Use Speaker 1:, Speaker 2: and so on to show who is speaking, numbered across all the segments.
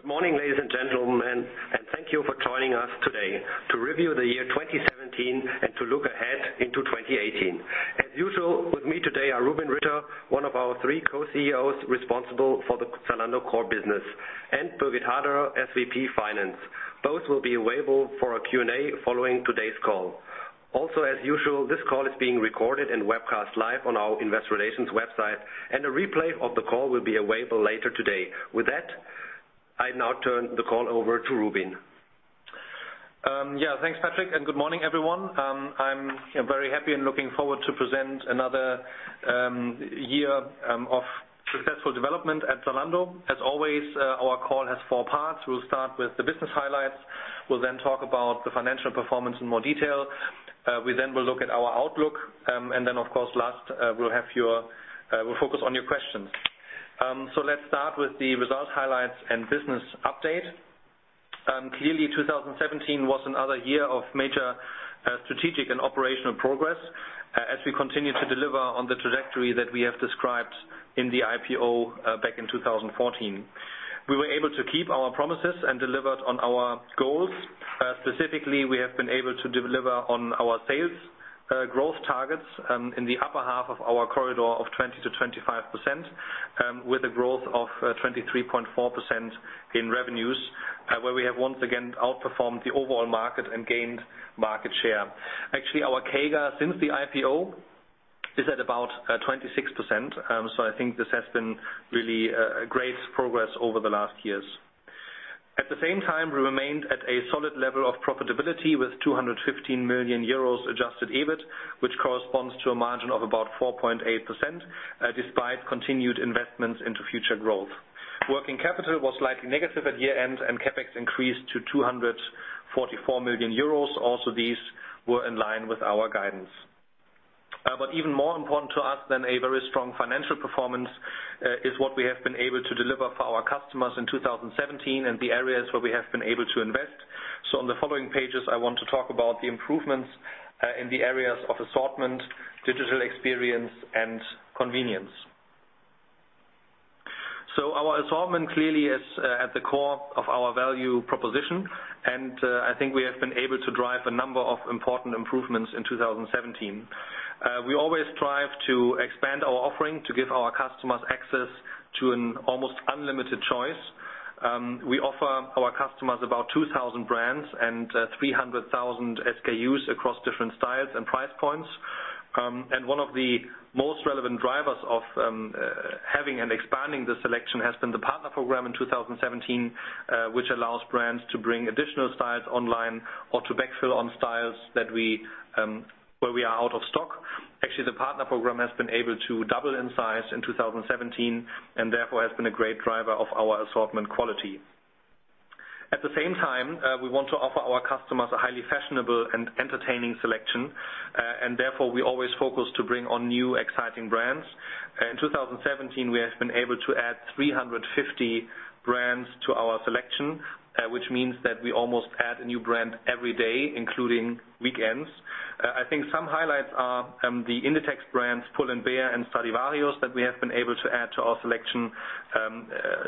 Speaker 1: Good morning, ladies and gentlemen, and thank you for joining us today to review the year 2017 and to look ahead into 2018. As usual, with me today are Rubin Ritter, one of our three co-CEOs responsible for the Zalando core business, and Birgit Haderer, SVP Finance. Both will be available for a Q&A following today's call. Also, as usual, this call is being recorded and webcast live on our investor relations website, and a replay of the call will be available later today. With that, I now turn the call over to Rubin.
Speaker 2: Thanks, Patrick. Good morning, everyone. I'm very happy and looking forward to present another year of successful development at Zalando. As always, our call has four parts. We'll start with the business highlights. We'll talk about the financial performance in more detail. We will look at our outlook. Of course, last, we'll focus on your questions. Let's start with the result highlights and business update. Clearly, 2017 was another year of major strategic and operational progress as we continue to deliver on the trajectory that we have described in the IPO back in 2014. We were able to keep our promises and delivered on our goals. Specifically, we have been able to deliver on our sales growth targets in the upper half of our corridor of 20%-25%, with a growth of 23.4% in revenues, where we have once again outperformed the overall market and gained market share. Actually, our CAGR since the IPO is at about 26%. I think this has been really great progress over the last years. At the same time, we remained at a solid level of profitability with 215 million euros adjusted EBIT, which corresponds to a margin of about 4.8%, despite continued investments into future growth. Working capital was slightly negative at year-end, and CapEx increased to 244 million euros. These were in line with our guidance. Even more important to us than a very strong financial performance is what we have been able to deliver for our customers in 2017 and the areas where we have been able to invest. On the following pages, I want to talk about the improvements in the areas of assortment, digital experience, and convenience. Our assortment clearly is at the core of our value proposition, and I think we have been able to drive a number of important improvements in 2017. We always strive to expand our offering to give our customers access to an almost unlimited choice. We offer our customers about 2,000 brands and 300,000 SKUs across different styles and price points. One of the most relevant drivers of having and expanding the selection has been the Partner Program in 2017, which allows brands to bring additional styles online or to backfill on styles where we are out of stock. The Partner Program has been able to double in size in 2017 and therefore has been a great driver of our assortment quality. We want to offer our customers a highly fashionable and entertaining selection, and therefore, we always focus to bring on new, exciting brands. In 2017, we have been able to add 350 brands to our selection, which means that we almost add a new brand every day, including weekends. I think some highlights are the Inditex brands, Pull&Bear and Stradivarius that we have been able to add to our selection.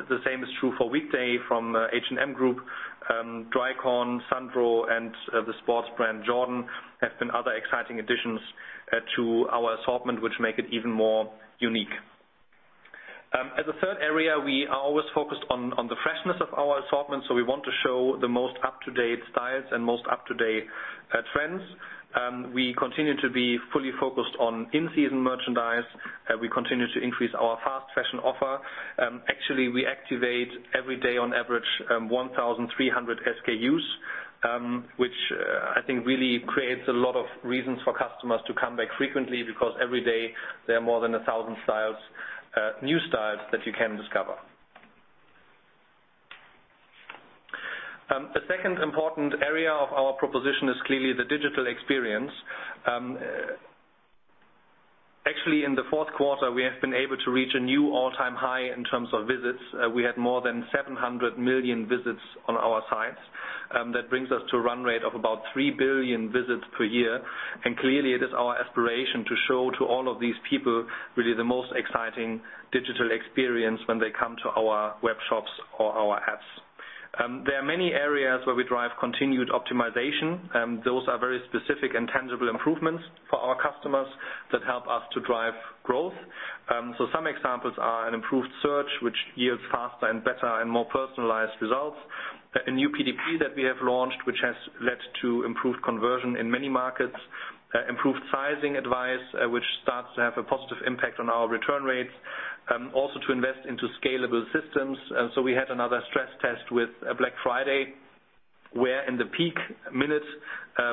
Speaker 2: The same is true for Weekday from H&M Group. DRYKORN, Sandro, and the sports brand Jordan have been other exciting additions to our assortment, which make it even more unique. We are always focused on the freshness of our assortment, we want to show the most up-to-date styles and most up-to-date trends. We continue to be fully focused on in-season merchandise. We continue to increase our fast fashion offer. We activate every day on average 1,300 SKUs which I think really creates a lot of reasons for customers to come back frequently because every day there are more than 1,000 new styles that you can discover. A second important area of our proposition is clearly the digital experience. In the fourth quarter, we have been able to reach a new all-time high in terms of visits. We had more than 700 million visits on our sites. That brings us to a run rate of about 3 billion visits per year. Clearly it is our aspiration to show to all of these people really the most exciting digital experience when they come to our web shops or our apps. There are many areas where we drive continued optimization. Those are very specific and tangible improvements for our customers that help us to drive growth. Some examples are an improved search, which yields faster and better and more personalized results. A new PDP that we have launched, which has led to improved conversion in many markets. Improved sizing advice, which starts to have a positive impact on our return rates. Also to invest into scalable systems. We had another stress test with Black Friday, where in the peak minutes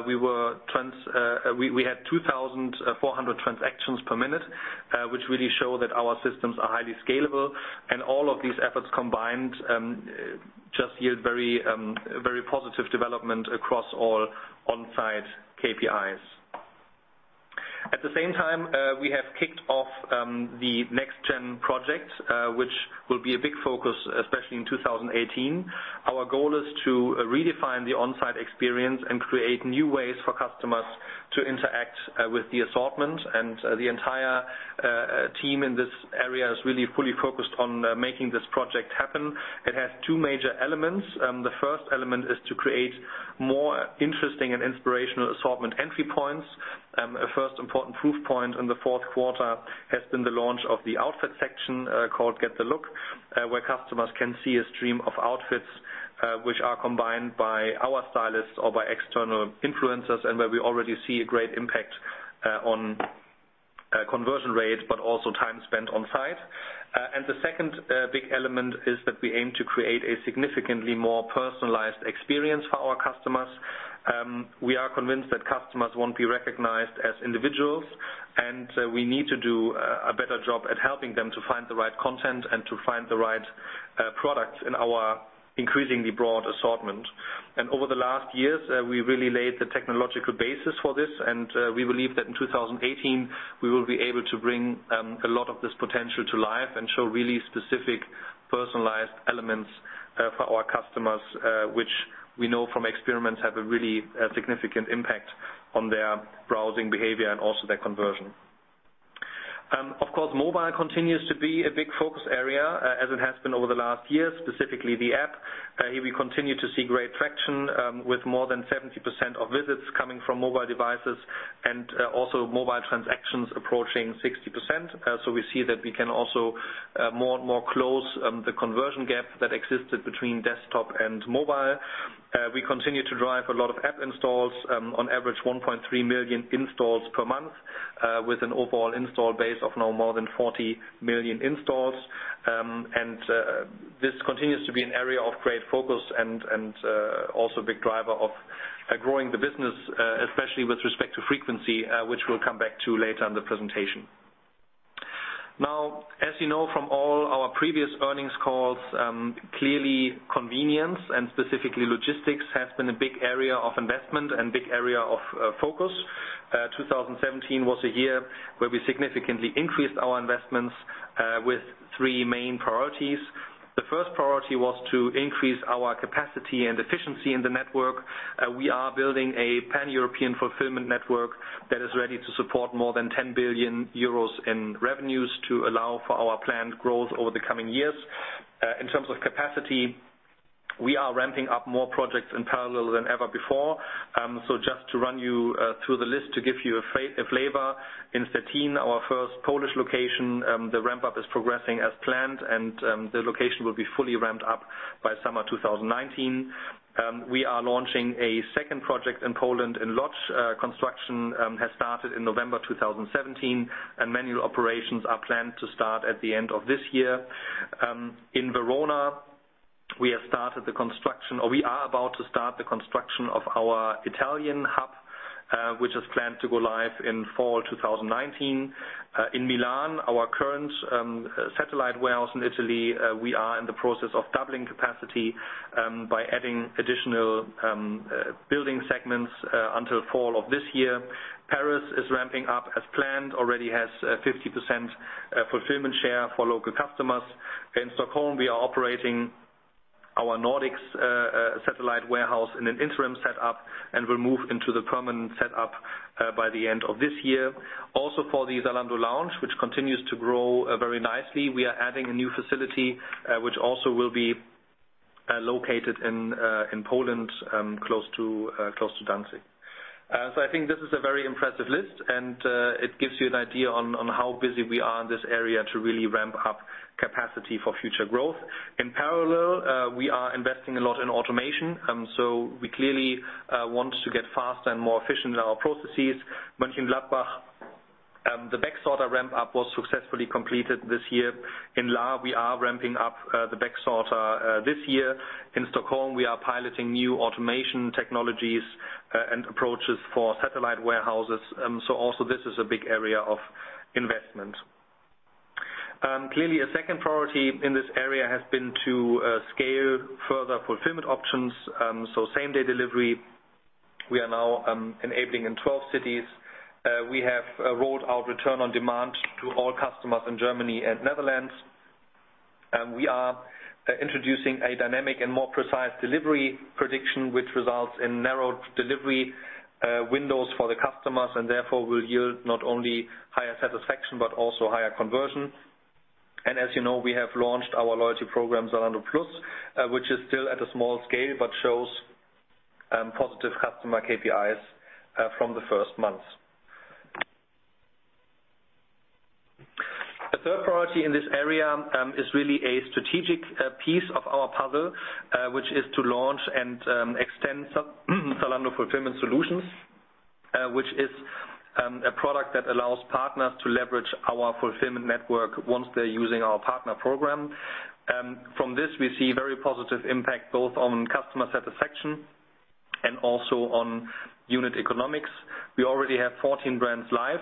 Speaker 2: we had 2,400 transactions per minute, which really show that our systems are highly scalable and all of these efforts combined just yield very positive development across all on-site KPIs. We have kicked off the Next Gen project, which will be a big focus, especially in 2018. Our goal is to redefine the on-site experience and create new ways for customers to interact with the assortment. The entire team in this area is really fully focused on making this project happen. It has two major elements. The first element is to create more interesting and inspirational assortment entry points. A first important proof point in the fourth quarter has been the launch of the outfit section, called Get the Look, where customers can see a stream of outfits, which are combined by our stylists or by external influencers, where we already see a great impact on conversion rates, but also time spent on site. The second big element is that we aim to create a significantly more personalized experience for our customers. We are convinced that customers want to be recognized as individuals, we need to do a better job at helping them to find the right content and to find the right products in our increasingly broad assortment. Over the last years, we really laid the technological basis for this. We believe that in 2018, we will be able to bring a lot of this potential to life and show really specific, personalized elements for our customers, which we know from experiments have a really significant impact on their browsing behavior and also their conversion. Of course, mobile continues to be a big focus area, as it has been over the last year, specifically the app. Here we continue to see great traction, with more than 70% of visits coming from mobile devices and also mobile transactions approaching 60%. We see that we can also more and more close the conversion gap that existed between desktop and mobile. We continue to drive a lot of app installs, on average 1.3 million installs per month, with an overall install base of now more than 40 million installs. This continues to be an area of great focus and also a big driver of growing the business, especially with respect to frequency, which we'll come back to later in the presentation. As you know from all our previous earnings calls, clearly convenience and specifically logistics has been a big area of investment and big area of focus. 2017 was a year where we significantly increased our investments with 3 main priorities. The first priority was to increase our capacity and efficiency in the network. We are building a pan-European fulfillment network that is ready to support more than 10 billion euros in revenues to allow for our planned growth over the coming years. In terms of capacity, we are ramping up more projects in parallel than ever before. Just to run you through the list to give you a flavor. In Szczecin, our first Polish location, the ramp-up is progressing as planned, the location will be fully ramped up by summer 2019. We are launching a second project in Poland in Lodz. Construction has started in November 2017, manual operations are planned to start at the end of this year. In Verona, we are about to start the construction of our Italian hub, which is planned to go live in fall 2019. In Milan, our current satellite warehouse in Italy, we are in the process of doubling capacity by adding additional building segments until fall of this year. Paris is ramping up as planned, already has 50% fulfillment share for local customers. In Stockholm, we are operating our Nordics satellite warehouse in an interim set up and will move into the permanent set up by the end of this year. Also for the Zalando Lounge, which continues to grow very nicely, we are adding a new facility, which also will be located in Poland, close to Danzig. I think this is a very impressive list, and it gives you an idea on how busy we are in this area to really ramp up capacity for future growth. In parallel, we are investing a lot in automation. We clearly want to get faster and more efficient in our processes. Mönchengladbach, the backsorter ramp-up was successfully completed this year. In Lahr, we are ramping up the backsorter this year. In Stockholm, we are piloting new automation technologies and approaches for satellite warehouses. Also this is a big area of investment. Clearly, a second priority in this area has been to scale further fulfillment options. Same-day delivery, we are now enabling in 12 cities. We have rolled out Return on Demand to all customers in Germany and Netherlands. We are introducing a dynamic and more precise delivery prediction, which results in narrowed delivery windows for the customers and therefore will yield not only higher satisfaction but also higher conversion. As you know, we have launched our loyalty program, Zalando Plus, which is still at a small scale but shows positive customer KPIs from the first months. A third priority in this area is really a strategic piece of our puzzle, which is to launch and extend Zalando Fulfillment Solutions, which is a product that allows partners to leverage our fulfillment network once they're using our Partner Program. From this, we see very positive impact both on customer satisfaction and also on unit economics. We already have 14 brands live,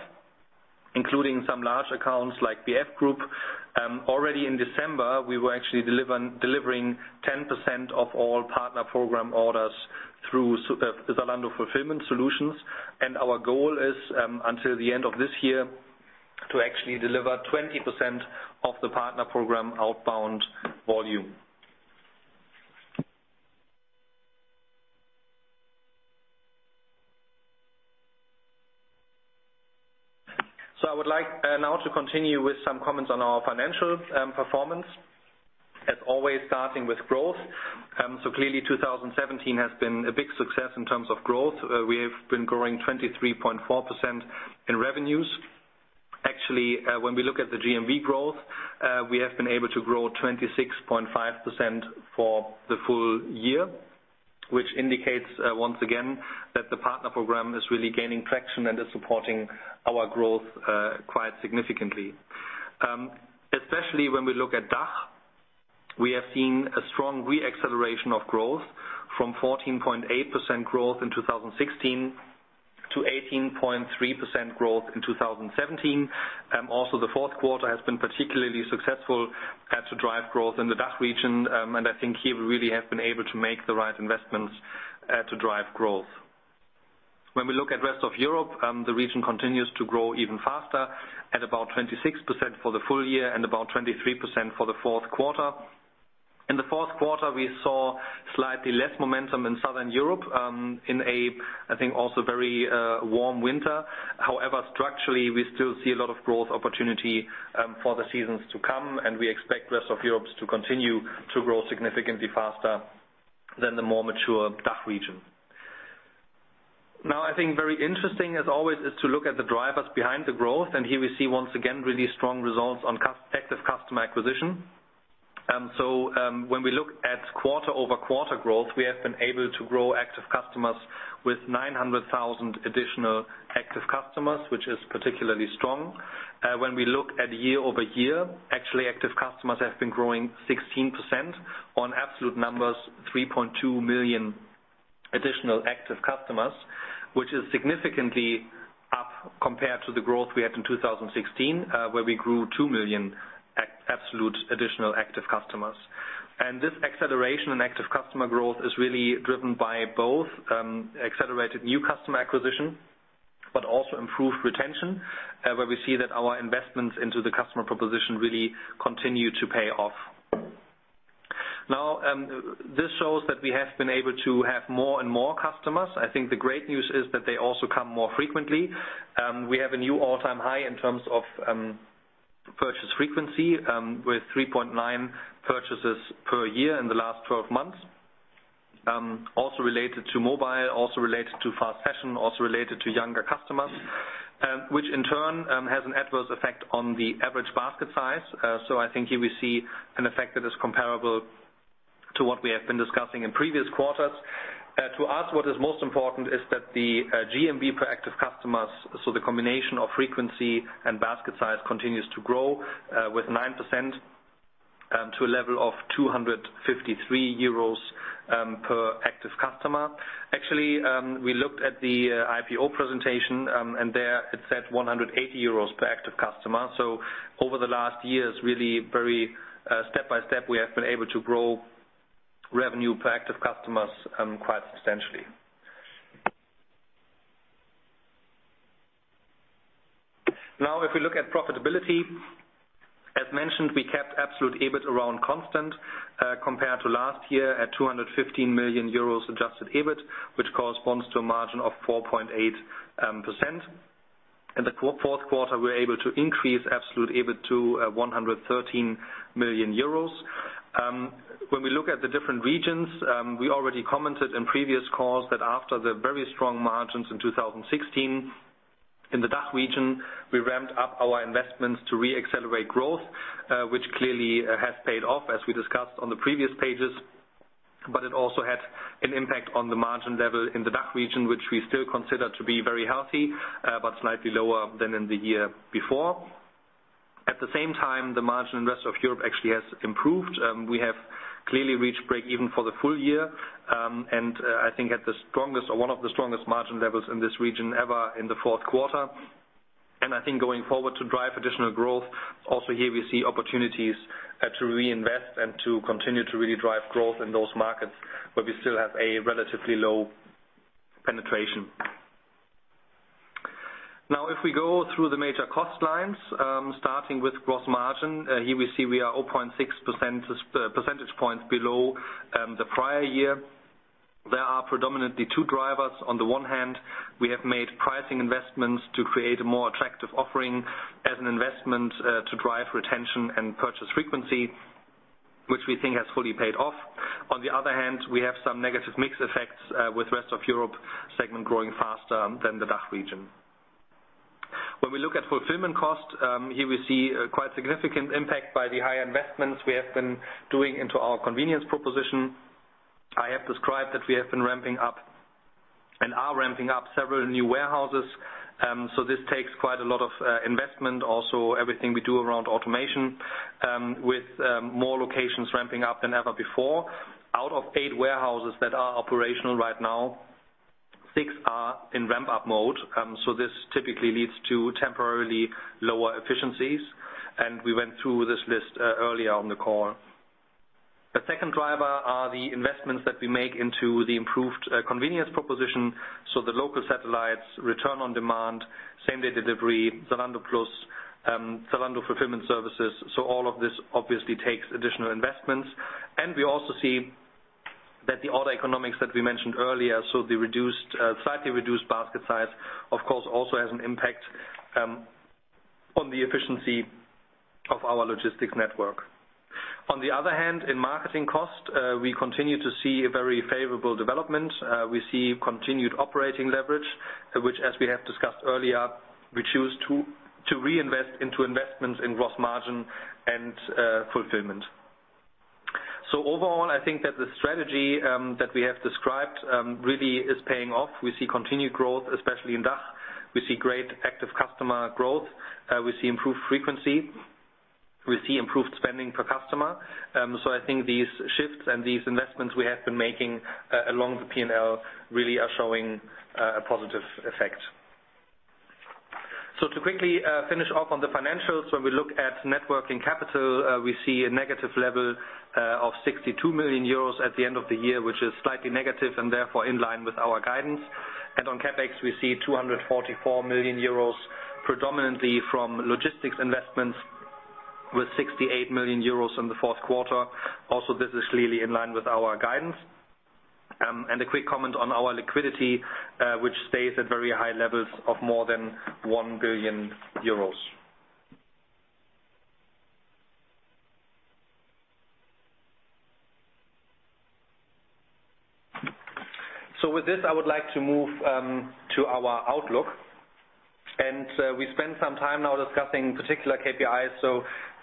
Speaker 2: including some large accounts like VF Corporation. Already in December, we were actually delivering 10% of all Partner Program orders through Zalando Fulfillment Solutions. Our goal is, until the end of this year, to actually deliver 20% of the Partner Program outbound volume. I would like now to continue with some comments on our financial performance, as always, starting with growth. Clearly 2017 has been a big success in terms of growth. We have been growing 23.4% in revenues. Actually, when we look at the GMV growth, we have been able to grow 26.5% for the full year, which indicates, once again, that the Partner Program is really gaining traction and is supporting our growth quite significantly. Especially when we look at DACH, we have seen a strong re-acceleration of growth from 14.8% growth in 2016 to 18.3% growth in 2017. The fourth quarter has been particularly successful to drive growth in the DACH region. I think here we really have been able to make the right investments to drive growth. When we look at the rest of Europe, the region continues to grow even faster at about 26% for the full year and about 23% for the fourth quarter. In the fourth quarter, we saw slightly less momentum in Southern Europe in a, I think, also very warm winter. However, structurally, we still see a lot of growth opportunity for the seasons to come, and we expect the rest of Europe to continue to grow significantly faster than the more mature DACH region. I think very interesting as always is to look at the drivers behind the growth. And here we see once again really strong results on active customer acquisition. When we look at quarter-over-quarter growth, we have been able to grow active customers with 900,000 additional active customers, which is particularly strong. When we look at year-over-year, active customers have been growing 16% on absolute numbers, 3.2 million additional active customers. Which is significantly up compared to the growth we had in 2016, where we grew 2 million absolute additional active customers. This acceleration in active customer growth is really driven by both accelerated new customer acquisition, but also improved retention. Where we see that our investments into the customer proposition really continue to pay off. This shows that we have been able to have more and more customers. I think the great news is that they also come more frequently. We have a new all-time high in terms of purchase frequency with 3.9 purchases per year in the last 12 months. Also related to mobile, also related to fast fashion, also related to younger customers, which in turn has an adverse effect on the average basket size. I think here we see an effect that is comparable to what we have been discussing in previous quarters. To us, what is most important is that the GMV per active customers, the combination of frequency and basket size continues to grow with 9% to a level of 253 euros per active customer. Actually, we looked at the IPO presentation, and there it said 180 euros per active customer. Over the last years, really very step by step, we have been able to grow revenue per active customers quite substantially. If we look at profitability, as mentioned, we kept absolute EBIT around constant compared to last year at 215 million euros adjusted EBIT, which corresponds to a margin of 4.8%. In the fourth quarter, we were able to increase absolute EBIT to 113 million euros. When we look at the different regions, we already commented in previous calls that after the very strong margins in 2016 in the DACH region, we ramped up our investments to re-accelerate growth, which clearly has paid off as we discussed on the previous pages. It also had an impact on the margin level in the DACH region, which we still consider to be very healthy but slightly lower than in the year before. At the same time, the margin in rest of Europe actually has improved. We have clearly reached breakeven for the full year, and I think at the strongest or one of the strongest margin levels in this region ever in the fourth quarter. I think going forward to drive additional growth, also here we see opportunities to reinvest and to continue to really drive growth in those markets where we still have a relatively low penetration. If we go through the major cost lines, starting with gross margin. Here we see we are 0.6 percentage points below the prior year. There are predominantly two drivers. On the one hand, we have made pricing investments to create a more attractive offering as an investment to drive retention and purchase frequency, which we think has fully paid off. On the other hand, we have some negative mix effects with the rest of Europe segment growing faster than the DACH region. When we look at fulfillment cost, here we see a quite significant impact by the high investments we have been doing into our convenience proposition. I have described that we have been ramping up and are ramping up several new warehouses. This takes quite a lot of investment. Also, everything we do around automation, with more locations ramping up than ever before. Out of 8 warehouses that are operational right now, 6 are in ramp-up mode. This typically leads to temporarily lower efficiencies. We went through this list earlier on the call. The second driver are the investments that we make into the improved convenience proposition. The local satellites, Return on Demand, same-day delivery, Zalando Plus, Zalando Fulfillment Solutions. All of this obviously takes additional investments. We also see that the order economics that we mentioned earlier, the slightly reduced basket size, of course, also has an impact on the efficiency of our logistics network. On the other hand, in marketing cost, we continue to see a very favorable development. We see continued operating leverage, which as we have discussed earlier, we choose to reinvest into investments in gross margin and fulfillment. Overall, I think that the strategy that we have described really is paying off. We see continued growth, especially in DACH. We see great active customer growth. We see improved frequency. We see improved spending per customer. I think these shifts and these investments we have been making along the P&L really are showing a positive effect. To quickly finish off on the financials, when we look at net working capital, we see a negative level of 62 million euros at the end of the year, which is slightly negative and therefore in line with our guidance. On CapEx, we see 244 million euros predominantly from logistics investments with 68 million euros in the fourth quarter. Also, this is clearly in line with our guidance. A quick comment on our liquidity, which stays at very high levels of more than 1 billion euros. With this, I would like to move to our outlook. We spent some time now discussing particular KPIs.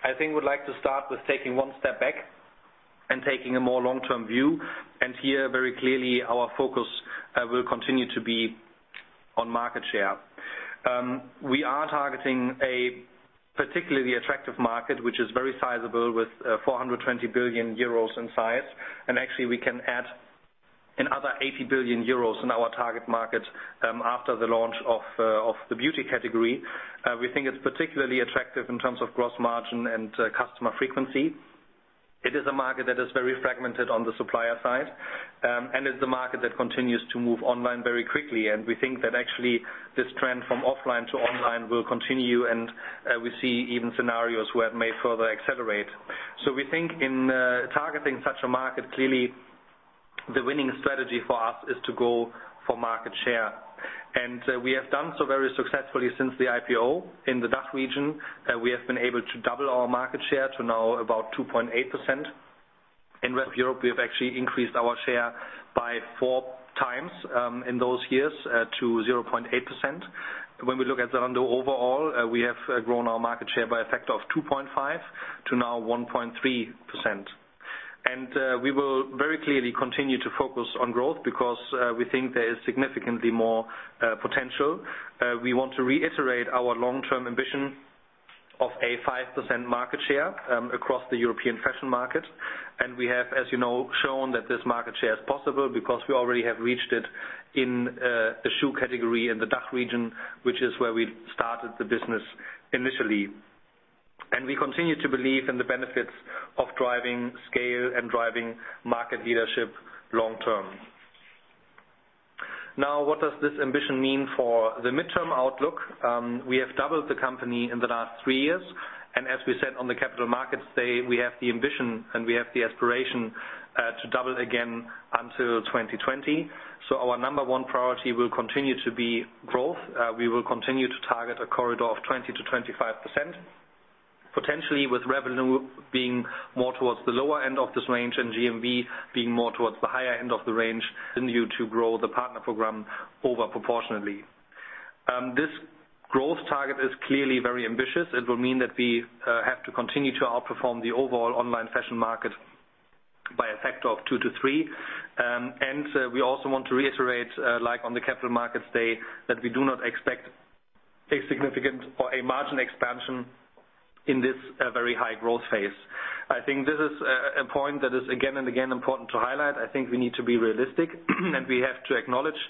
Speaker 2: I think we'd like to start with taking one step back and taking a more long-term view. Here, very clearly, our focus will continue to be on market share. We are targeting a particularly attractive market, which is very sizable with 420 billion euros in size. Actually, we can add another 80 billion euros in our target market after the launch of the beauty category. We think it's particularly attractive in terms of gross margin and customer frequency. It is a market that is very fragmented on the supplier side and is a market that continues to move online very quickly. We think that actually this trend from offline to online will continue, and we see even scenarios where it may further accelerate. We think in targeting such a market, clearly the winning strategy for us is to go for market share. We have done so very successfully since the IPO in the DACH region. We have been able to double our market share to now about 2.8%. In rest of Europe, we have actually increased our share by four times, in those years, to 0.8%. When we look at Zalando overall, we have grown our market share by a factor of 2.5 to now 1.3%. We will very clearly continue to focus on growth because we think there is significantly more potential. We want to reiterate our long-term ambition of a 5% market share across the European fashion market. We have, as you know, shown that this market share is possible because we already have reached it in the shoe category in the DACH region, which is where we started the business initially. We continue to believe in the benefits of driving scale and driving market leadership long term. What does this ambition mean for the midterm outlook? We have doubled the company in the last three years, and as we said on the Capital Markets Day, we have the ambition and we have the aspiration to double again until 2020. Our number one priority will continue to be growth. We will continue to target a corridor of 20%-25%, potentially with revenue being more towards the lower end of this range and GMV being more towards the higher end of the range, continue to grow the Partner Program over proportionately. This growth target is clearly very ambitious. It will mean that we have to continue to outperform the overall online fashion market by a factor of two to three. We also want to reiterate, like on the Capital Markets Day, that we do not expect a significant or a margin expansion in this very high growth phase. I think this is a point that is again and again important to highlight. I think we need to be realistic, and we have to acknowledge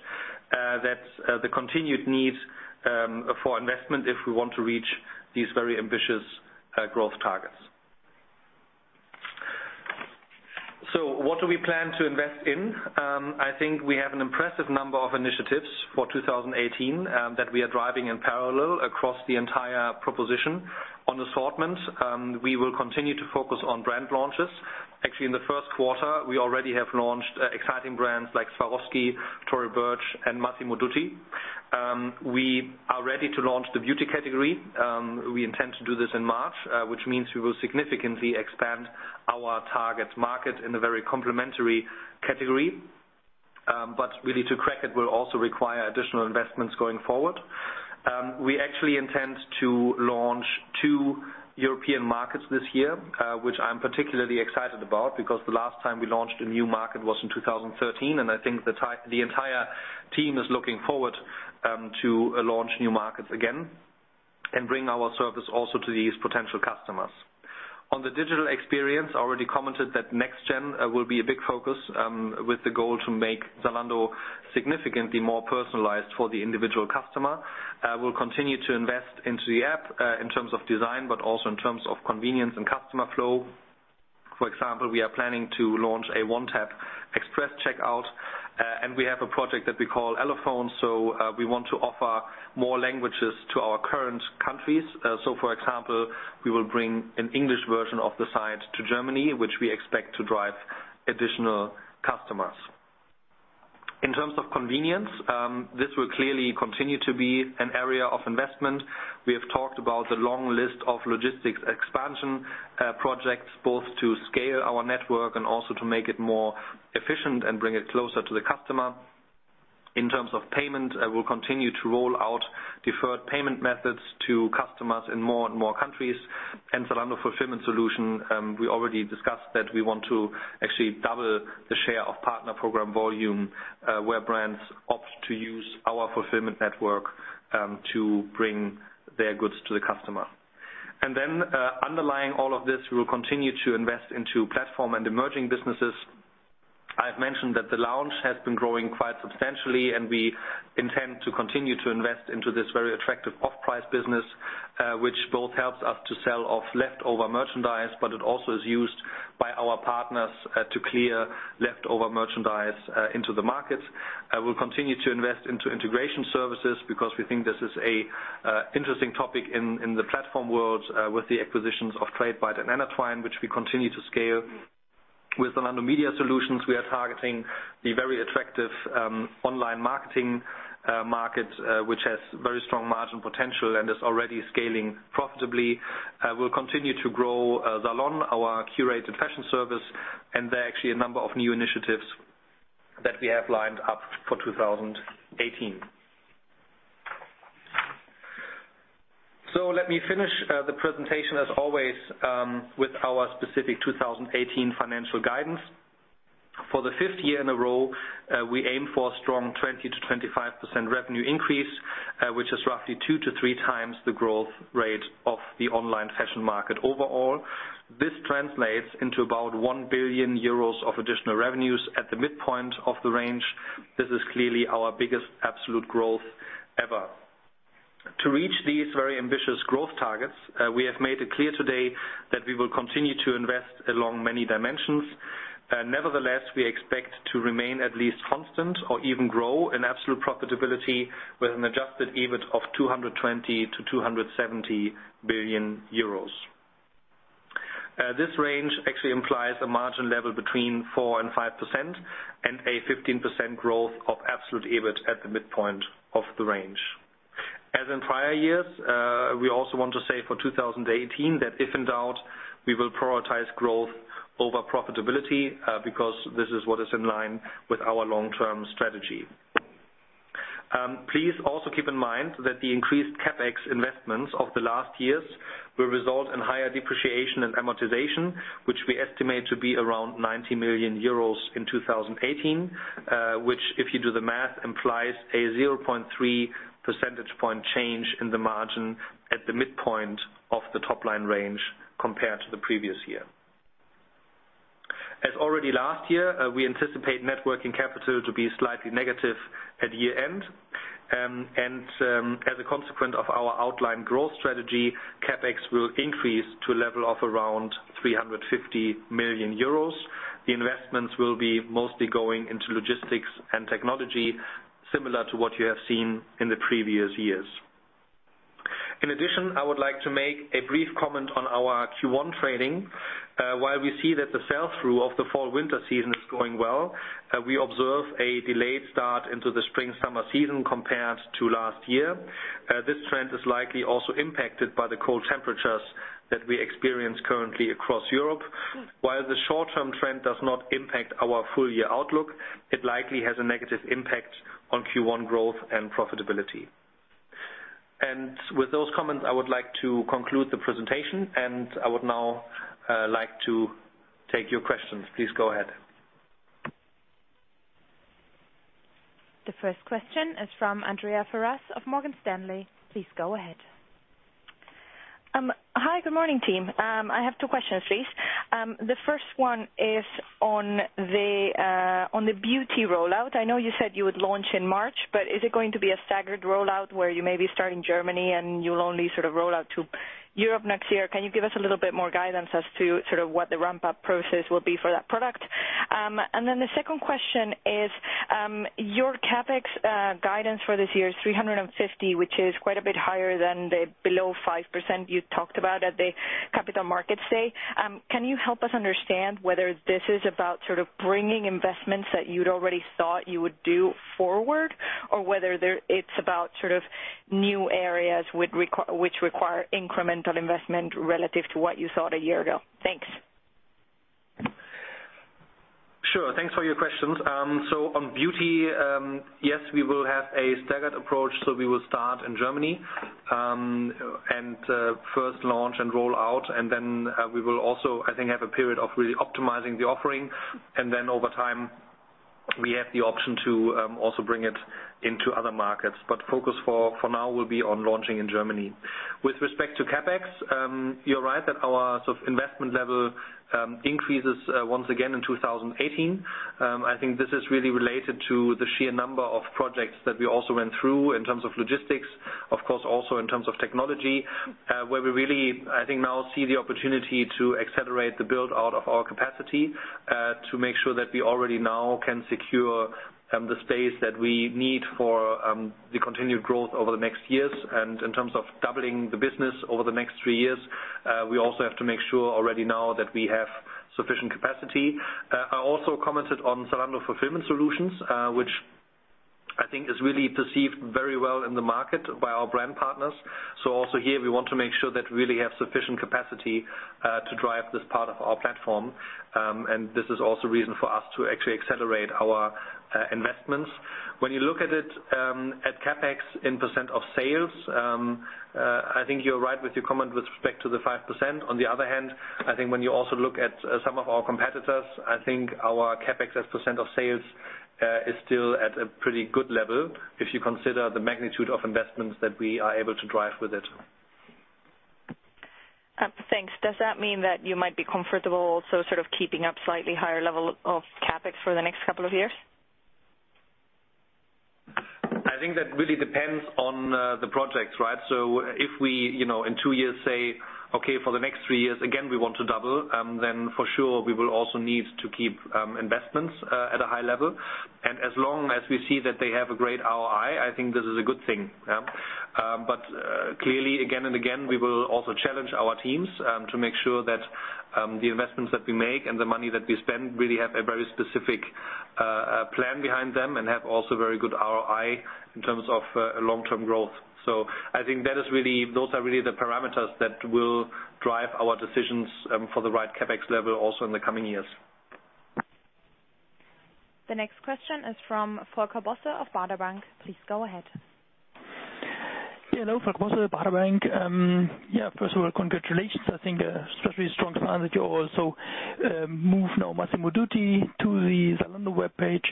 Speaker 2: that the continued need for investment if we want to reach these very ambitious growth targets. What do we plan to invest in? I think we have an impressive number of initiatives for 2018 that we are driving in parallel across the entire proposition. On assortment, we will continue to focus on brand launches. Actually, in the first quarter, we already have launched exciting brands like Swarovski, Tory Burch, and Massimo Dutti. We are ready to launch the beauty category. We intend to do this in March, which means we will significantly expand our target market in a very complementary category. Really to crack it will also require additional investments going forward. We actually intend to launch two European markets this year, which I'm particularly excited about because the last time we launched a new market was in 2013, I think the entire team is looking forward to launch new markets again and bring our service also to these potential customers. On the digital experience, I already commented that Next Gen will be a big focus, with the goal to make Zalando significantly more personalized for the individual customer. We'll continue to invest into the app, in terms of design, but also in terms of convenience and customer flow. For example, we are planning to launch a one-tap express checkout. We have a project that we call Elephone. We want to offer more languages to our current countries. For example, we will bring an English version of the site to Germany, which we expect to drive additional customers. In terms of convenience, this will clearly continue to be an area of investment. We have talked about the long list of logistics expansion projects, both to scale our network and also to make it more efficient and bring it closer to the customer. In terms of payment, we'll continue to roll out deferred payment methods to customers in more and more countries. Zalando Fulfillment Solutions, we already discussed that we want to actually double the share of Partner Program volume, where brands opt to use our fulfillment network to bring their goods to the customer. Underlying all of this, we will continue to invest into platform and emerging businesses. I've mentioned that Zalando Lounge has been growing quite substantially, and we intend to continue to invest into this very attractive off-price business, which both helps us to sell off leftover merchandise, but it also is used by our partners to clear leftover merchandise into the markets. We'll continue to invest into integration services because we think this is a interesting topic in the platform world with the acquisitions of Tradebyte and Anatwine, which we continue to scale. With Zalando Marketing Services, we are targeting the very attractive online marketing market, which has very strong margin potential and is already scaling profitably. We'll continue to grow Zalon, our curated fashion service, and there are actually a number of new initiatives that we have lined up for 2018. Let me finish the presentation as always with our specific 2018 financial guidance. For the fifth year in a row, we aim for a strong 20%-25% revenue increase, which is roughly two to three times the growth rate of the online fashion market overall. This translates into about 1 billion euros of additional revenues at the midpoint of the range. This is clearly our biggest absolute growth ever. To reach these very ambitious growth targets, we have made it clear today that we will continue to invest along many dimensions. Nevertheless, we expect to remain at least constant or even grow in absolute profitability with an adjusted EBIT of 220 million-270 million euros. This range actually implies a margin level between 4%-5% and a 15% growth of absolute EBIT at the midpoint of the range. As in prior years, we also want to say for 2018 that if in doubt, we will prioritize growth over profitability because this is what is in line with our long-term strategy. Please also keep in mind that the increased CapEx investments of the last years will result in higher depreciation and amortization, which we estimate to be around 90 million euros in 2018, which, if you do the math, implies a 0.3 percentage point change in the margin at the midpoint of the top-line range compared to the previous year. As already last year, we anticipate net working capital to be slightly negative at year-end. As a consequence of our outlined growth strategy, CapEx will increase to a level of around 350 million euros. The investments will be mostly going into logistics and technology, similar to what you have seen in the previous years. In addition, I would like to make a brief comment on our Q1 trading. While we see that the sell-through of the fall-winter season is going well, we observe a delayed start into the spring-summer season compared to last year. This trend is likely also impacted by the cold temperatures that we experience currently across Europe. While the short-term trend does not impact our full-year outlook, it likely has a negative impact on Q1 growth and profitability. With those comments, I would like to conclude the presentation, and I would now like to take your questions. Please go ahead.
Speaker 3: Hi, good morning, team. The first question is from Andrea Ferraz of Morgan Stanley. Please go ahead.
Speaker 4: I have two questions, please. The first one is on the beauty rollout. I know you said you would launch in March, but is it going to be a staggered rollout where you maybe start in Germany and you'll only sort of roll out to Europe next year? Can you give us a little bit more guidance as to what the ramp-up process will be for that product? The second question is, your CapEx guidance for this year is 350, which is quite a bit higher than the below 5% you talked about at the Capital Markets Day. Can you help us understand whether this is about bringing investments that you'd already thought you would do forward, or whether it's about new areas which require incremental investment relative to what you thought a year ago? Thanks.
Speaker 2: Sure. Thanks for your questions. On beauty, yes, we will have a staggered approach. We will start in Germany and first launch and roll out, and then we will also, I think, have a period of really optimizing the offering. Over time, we have the option to also bring it into other markets, but focus for now will be on launching in Germany. With respect to CapEx, you're right that our investment level increases once again in 2018. I think this is really related to the sheer number of projects that we also went through in terms of logistics, of course, also in terms of technology, where we really, I think now see the opportunity to accelerate the build-out of our capacity to make sure that we already now can secure the space that we need for the continued growth over the next years. In terms of doubling the business over the next three years, we also have to make sure already now that we have sufficient capacity. I also commented on Zalando Fulfillment Solutions, which I think is really perceived very well in the market by our brand partners. Also here, we want to make sure that we really have sufficient capacity to drive this part of our platform. This is also a reason for us to actually accelerate our investments. When you look at it, at CapEx in % of sales, I think you're right with your comment with respect to the 5%. On the other hand, I think when you also look at some of our competitors, I think our CapEx as % of sales is still at a pretty good level if you consider the magnitude of investments that we are able to drive with it.
Speaker 4: Thanks. Does that mean that you might be comfortable also sort of keeping up slightly higher level of CapEx for the next couple of years?
Speaker 2: I think that really depends on the projects, right? If we in two years say, okay, for the next three years again, we want to double, then for sure, we will also need to keep investments at a high level. As long as we see that they have a great ROI, I think this is a good thing. Clearly again and again, we will also challenge our teams to make sure that the investments that we make and the money that we spend really have a very specific plan behind them and have also very good ROI in terms of long-term growth. I think those are really the parameters that will drive our decisions for the right CapEx level also in the coming years.
Speaker 3: The next question is from Volker Bosse of Baader Bank. Please go ahead.
Speaker 5: Hello. Volker Bosse, Baader Bank. First of all, congratulations. I think especially strong plan that you also move now Massimo Dutti to the Zalando webpage.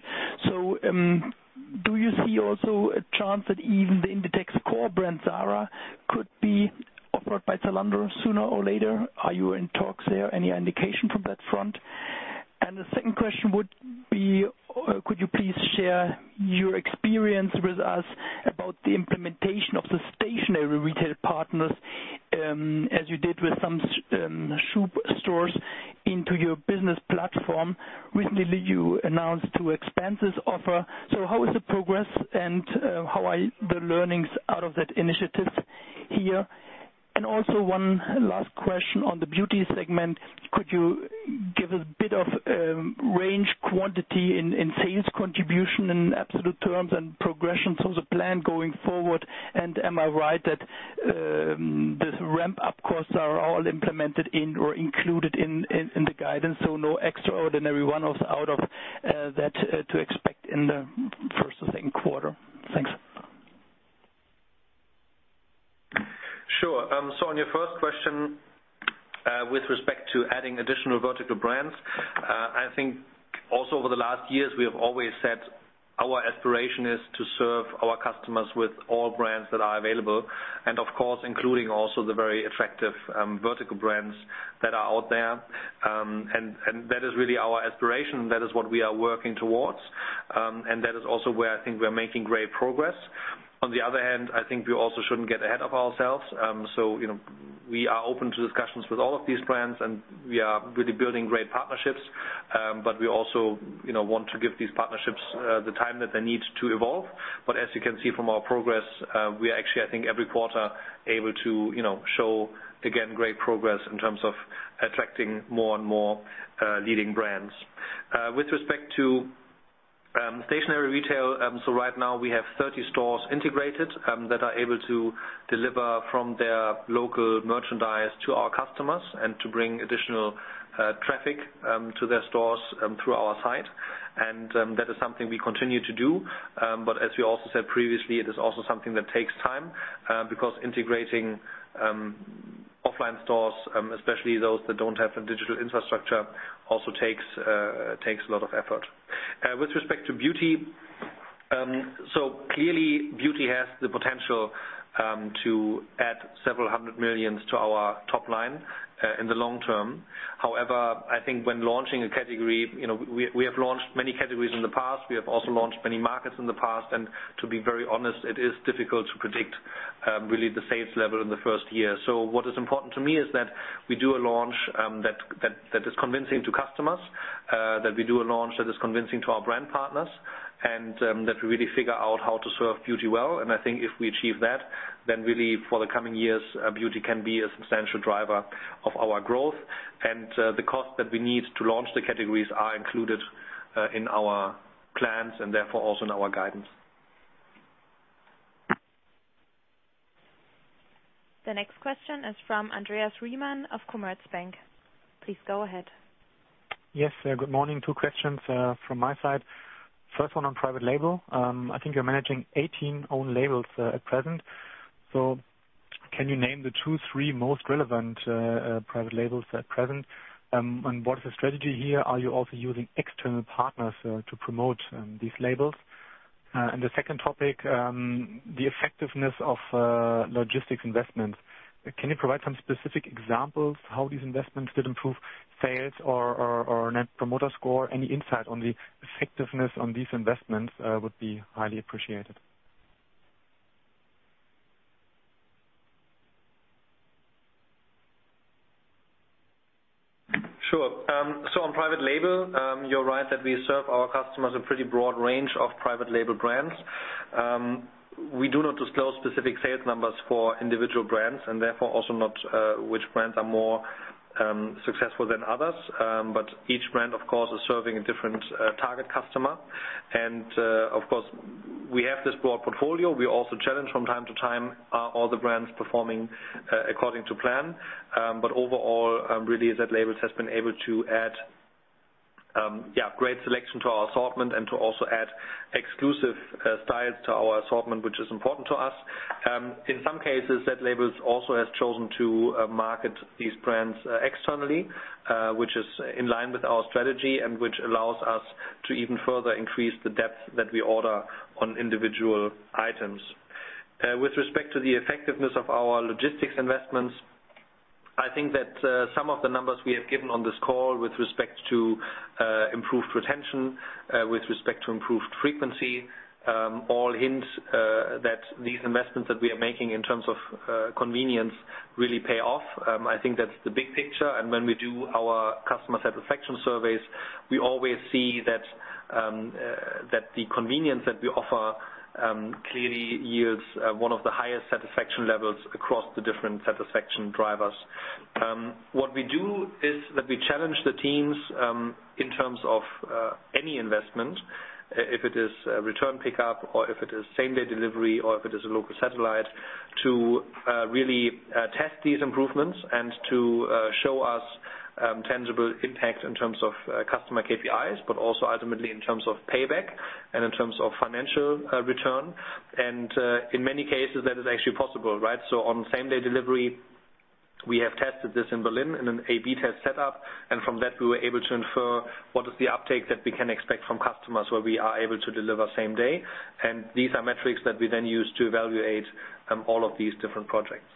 Speaker 5: Do you see also a chance that even the Inditex core brand, Zara, could be offered by Zalando sooner or later? Are you in talks there? Any indication from that front? The second question would be, could you please share your experience with us about the implementation of the stationary retail partners, as you did with some shoe stores into your business platform? Recently, you announced to expand this offer. How is the progress and how are the learnings out of that initiative here? Also one last question on the beauty segment. Could you give us a bit of range quantity in sales contribution in absolute terms and progression through the plan going forward? Am I right that the ramp-up costs are all implemented in or included in the guidance, no extraordinary one out of that to expect in the first or second quarter? Thanks.
Speaker 2: Sure. On your first question, with respect to adding additional vertical brands, I think also over the last years, we have always said our aspiration is to serve our customers with all brands that are available, and of course, including also the very effective vertical brands that are out there. That is really our aspiration. That is what we are working towards. That is also where I think we are making great progress. On the other hand, I think we also shouldn't get ahead of ourselves. We are open to discussions with all of these brands, and we are really building great partnerships. We also want to give these partnerships the time that they need to evolve. As you can see from our progress, we are actually, I think every quarter able to show again great progress in terms of attracting more and more leading brands. With respect to stationary retail, right now we have 30 stores integrated that are able to deliver from their local merchandise to our customers and to bring additional traffic to their stores through our site. That is something we continue to do. As we also said previously, it is also something that takes time. Because integrating offline stores, especially those that don't have a digital infrastructure, also takes a lot of effort. With respect to beauty, clearly beauty has the potential to add several hundred million EUR to our top line in the long term. However, I think when launching a category, we have launched many categories in the past. We have also launched many markets in the past. To be very honest, it is difficult to predict really the sales level in the 1st year. What is important to me is that we do a launch that is convincing to customers, that we do a launch that is convincing to our brand partners, that we really figure out how to serve beauty well. I think if we achieve that, then really for the coming years, beauty can be a substantial driver of our growth. The cost that we need to launch the categories are included in our plans and therefore also in our guidance.
Speaker 3: The next question is from Andreas Riemann of Commerzbank. Please go ahead.
Speaker 6: Yes. Good morning. Two questions from my side. 1st one on private label. I think you are managing 18 own labels at present. Can you name the two, three most relevant private labels at present? What is the strategy here? Are you also using external partners to promote these labels? The second topic, the effectiveness of logistics investments. Can you provide some specific examples how these investments did improve sales or Net Promoter Score? Any insight on the effectiveness on these investments would be highly appreciated.
Speaker 2: Sure. On private label, you are right that we serve our customers a pretty broad range of private label brands. We do not disclose specific sales numbers for individual brands, therefore also not which brands are more successful than others. Each brand, of course, is serving a different target customer. Of course, we have this broad portfolio. We also challenge from time to time all the brands performing according to plan. Overall, really, zLabels has been able to add great selection to our assortment to also add exclusive styles to our assortment, which is important to us. In some cases, zLabels also has chosen to market these brands externally which is in line with our strategy which allows us to even further increase the depth that we order on individual items. With respect to the effectiveness of our logistics investments, I think that some of the numbers we have given on this call with respect to improved retention, with respect to improved frequency, all hint that these investments that we are making in terms of convenience really pay off. I think that's the big picture. When we do our customer satisfaction surveys, we always see that the convenience that we offer clearly yields one of the highest satisfaction levels across the different satisfaction drivers. What we do is that we challenge the teams in terms of any investment, if it is a return pickup or if it is same-day delivery or if it is a local satellite, to really test these improvements and to show us tangible impact in terms of customer KPIs, but also ultimately in terms of payback and in terms of financial return. In many cases, that is actually possible, right? On same-day delivery, we have tested this in Berlin in an A/B test setup. From that, we were able to infer what is the uptake that we can expect from customers where we are able to deliver same day. These are metrics that we then use to evaluate all of these different projects.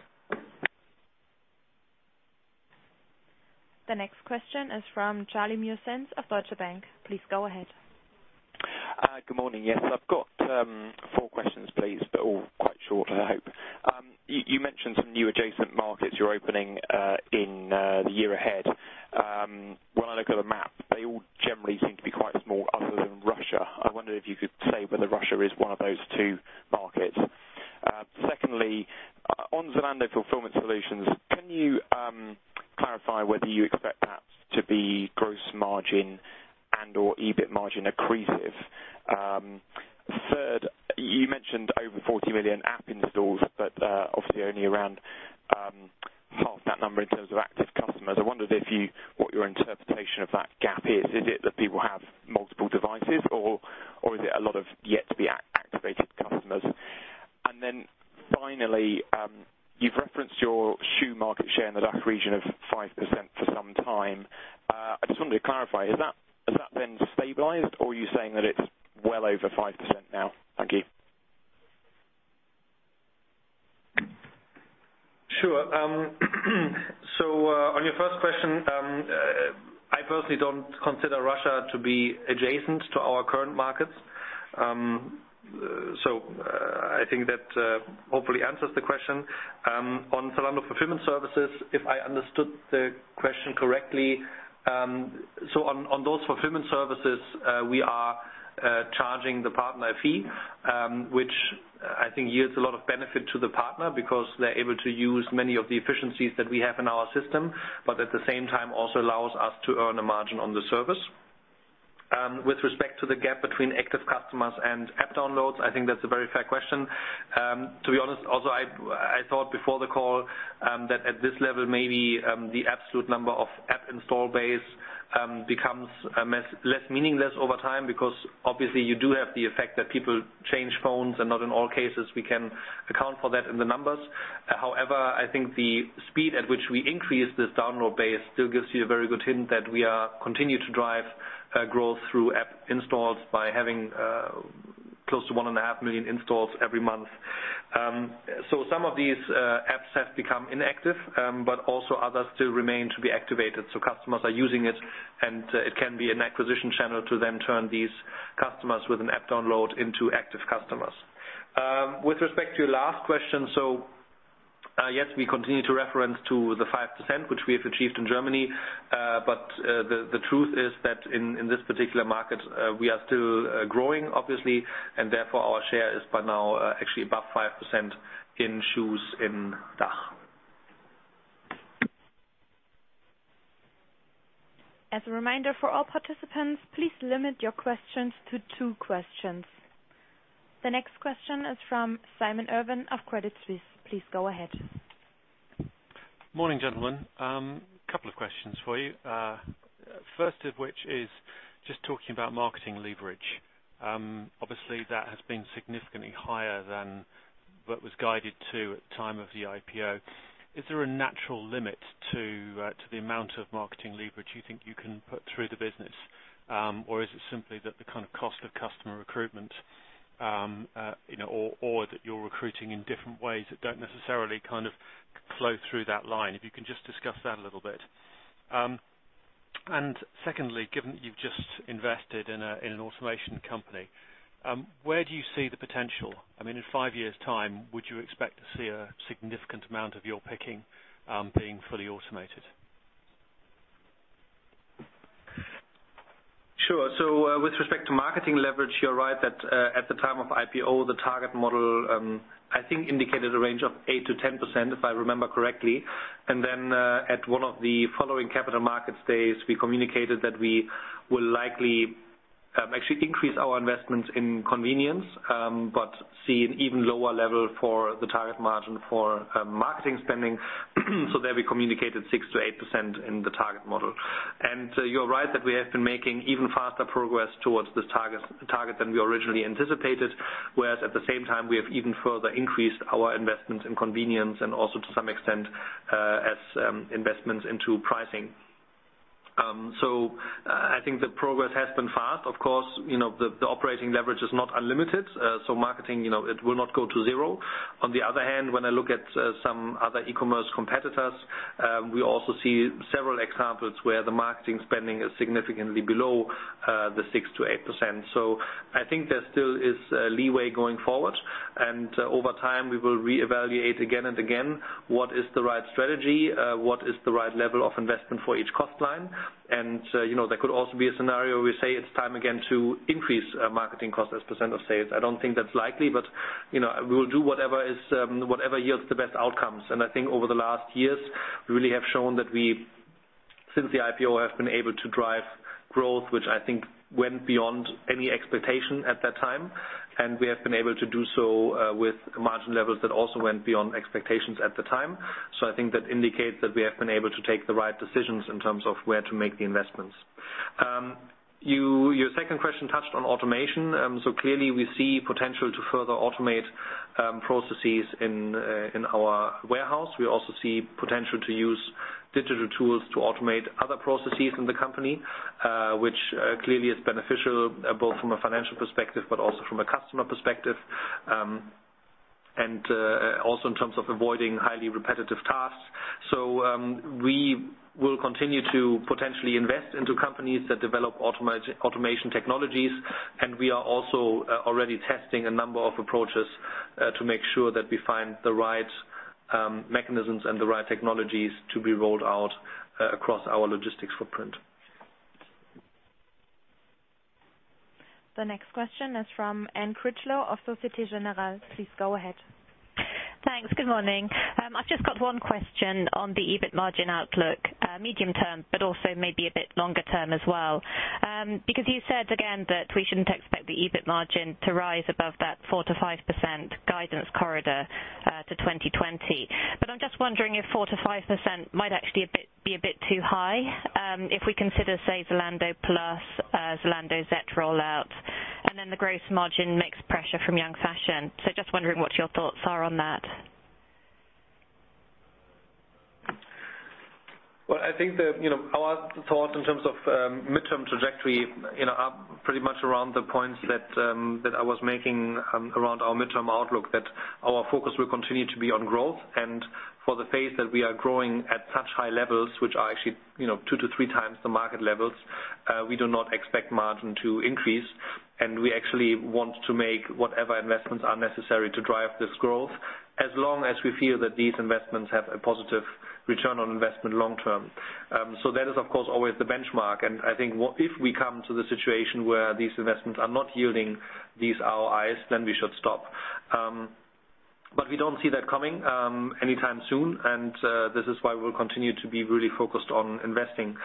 Speaker 3: The next question is from Charlie Muir-Sands of Deutsche Bank. Please go ahead.
Speaker 7: Good morning. Yes, I've got four questions, please, but all quite short, I hope. You mentioned some new adjacent markets you're opening in the year ahead. When I look at the map, they all generally seem to be quite small other than Russia. I wonder if you could say whether Russia is one of those two markets. Secondly, on Zalando Fulfillment Solutions, can you clarify whether you expect that to be gross margin and/or EBIT margin accretive? Third, you mentioned over 40 million app installs, but obviously only around half that number in terms of active customers. I wondered what your interpretation of that gap is. Is it that people have multiple devices or is it a lot of yet-to-be-activated customers? Then finally, you've referenced your shoe market share in the DACH region of 5% for some time. I just wanted to clarify, has that then stabilized or are you saying that it's well over 5% now? Thank you.
Speaker 2: Sure. On your first question, I personally don't consider Russia to be adjacent to our current markets. I think that hopefully answers the question. On Zalando Fulfillment Services, if I understood the question correctly, on those fulfillment services, we are charging the partner a fee which I think yields a lot of benefit to the partner because they're able to use many of the efficiencies that we have in our system, but at the same time also allows us to earn a margin on the service. With respect to the gap between active customers and app downloads, I think that's a very fair question. To be honest, also, I thought before the call that at this level, maybe the absolute number of app install base becomes less meaningless over time because obviously you do have the effect that people change phones and not in all cases we can account for that in the numbers. However, I think the speed at which we increase this download base still gives you a very good hint that we continue to drive growth through app installs by having close to 1.5 million installs every month. Some of these apps have become inactive but also others still remain to be activated. Customers are using it, and it can be an acquisition channel to then turn these customers with an app download into active customers. With respect to your last question, yes, we continue to reference to the 5%, which we have achieved in Germany. The truth is that in this particular market, we are still growing, obviously, and therefore our share is by now actually above 5% in shoes in DACH.
Speaker 3: As a reminder for all participants, please limit your questions to 2 questions. The next question is from Simon Irwin of Credit Suisse. Please go ahead.
Speaker 8: Morning, gentlemen. Couple of questions for you. First of which is just talking about marketing leverage. Obviously, that has been significantly higher than what was guided to at the time of the IPO. Is there a natural limit to the amount of marketing leverage you think you can put through the business? Or is it simply that the cost of customer recruitment, or that you're recruiting in different ways that don't necessarily flow through that line? If you can just discuss that a little bit. Secondly, given that you've just invested in an automation company, where do you see the potential? In 5 years' time, would you expect to see a significant amount of your picking being fully automated?
Speaker 2: Sure. With respect to marketing leverage, you're right that at the time of IPO, the target model, I think, indicated a range of 8%-10%, if I remember correctly. Then, at one of the following capital markets days, we communicated that we will likely actually increase our investments in convenience, but see an even lower level for the target margin for marketing spending, so there we communicated 6%-8% in the target model. You're right that we have been making even faster progress towards this target than we originally anticipated. Whereas at the same time, we have even further increased our investments in convenience and also to some extent, as investments into pricing. I think the progress has been fast. Of course, the operating leverage is not unlimited, so marketing, it will not go to zero. On the other hand, when I look at some other e-commerce competitors, we also see several examples where the marketing spending is significantly below the 6%-8%. I think there still is a leeway going forward, and over time, we will reevaluate again and again, what is the right strategy? What is the right level of investment for each cost line? There could also be a scenario we say it's time again to increase marketing cost as % of sales. I don't think that's likely, but we will do whatever yields the best outcomes. I think over the last years, we really have shown that we, since the IPO, have been able to drive growth, which I think went beyond any expectation at that time. We have been able to do so with margin levels that also went beyond expectations at the time. I think that indicates that we have been able to take the right decisions in terms of where to make the investments. Your second question touched on automation. Clearly we see potential to further automate processes in our warehouse. We also see potential to use digital tools to automate other processes in the company, which clearly is beneficial, both from a financial perspective but also from a customer perspective, and also in terms of avoiding highly repetitive tasks. We will continue to potentially invest into companies that develop automation technologies, and we are also already testing a number of approaches to make sure that we find the right mechanisms and the right technologies to be rolled out across our logistics footprint.
Speaker 3: The next question is from Anne Critchlow of Societe Generale. Please go ahead.
Speaker 9: Thanks. Good morning. I've just got one question on the EBIT margin outlook, medium-term, but also maybe a bit longer term as well. You said again that we shouldn't expect the EBIT margin to rise above that 4%-5% guidance corridor to 2020. I'm just wondering if 4%-5% might actually be a bit too high, if we consider, say, Zalando Plus, Zalando Zet rollout, and then the gross margin mix pressure from young fashion. Just wondering what your thoughts are on that.
Speaker 2: I think that our thoughts in terms of midterm trajectory are pretty much around the points that I was making around our midterm outlook that our focus will continue to be on growth. For the phase that we are growing at such high levels, which are actually two to three times the market levels, we do not expect margin to increase, and we actually want to make whatever investments are necessary to drive this growth, as long as we feel that these investments have a positive ROI long term. That is, of course, always the benchmark, and I think if we come to the situation where these investments are not yielding these ROIs, then we should stop. We don't see that coming anytime soon, and this is why we'll continue to be really focused on investing.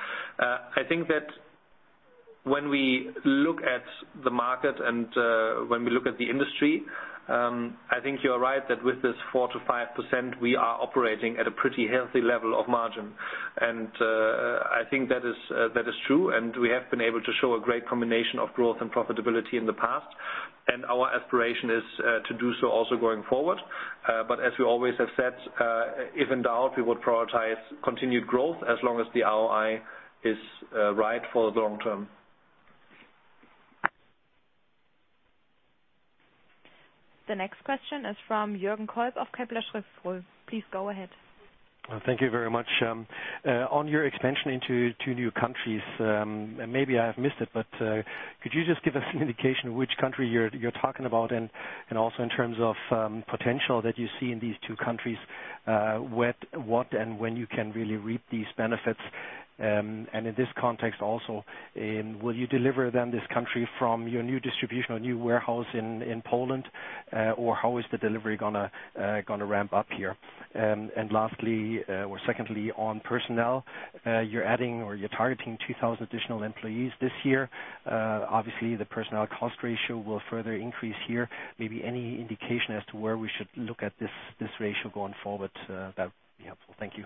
Speaker 2: When we look at the market and when we look at the industry, I think you're right that with this 4%-5%, we are operating at a pretty healthy level of margin. I think that is true, and we have been able to show a great combination of growth and profitability in the past. Our aspiration is to do so also going forward. As we always have said, if in doubt, we would prioritize continued growth as long as the ROI is right for the long term.
Speaker 3: The next question is from Jürgen Kolb of Kepler Cheuvreux. Please go ahead.
Speaker 10: Thank you very much. On your expansion into two new countries, maybe I have missed it, but could you just give us an indication of which country you're talking about and also in terms of potential that you see in these two countries, what and when you can really reap these benefits? In this context also, will you deliver then this country from your new distribution or new warehouse in Poland? How is the delivery going to ramp up here? Lastly, or secondly, on personnel, you're adding or you're targeting 2,000 additional employees this year. Obviously, the personnel cost ratio will further increase here. Maybe any indication as to where we should look at this ratio going forward? That would be helpful. Thank you.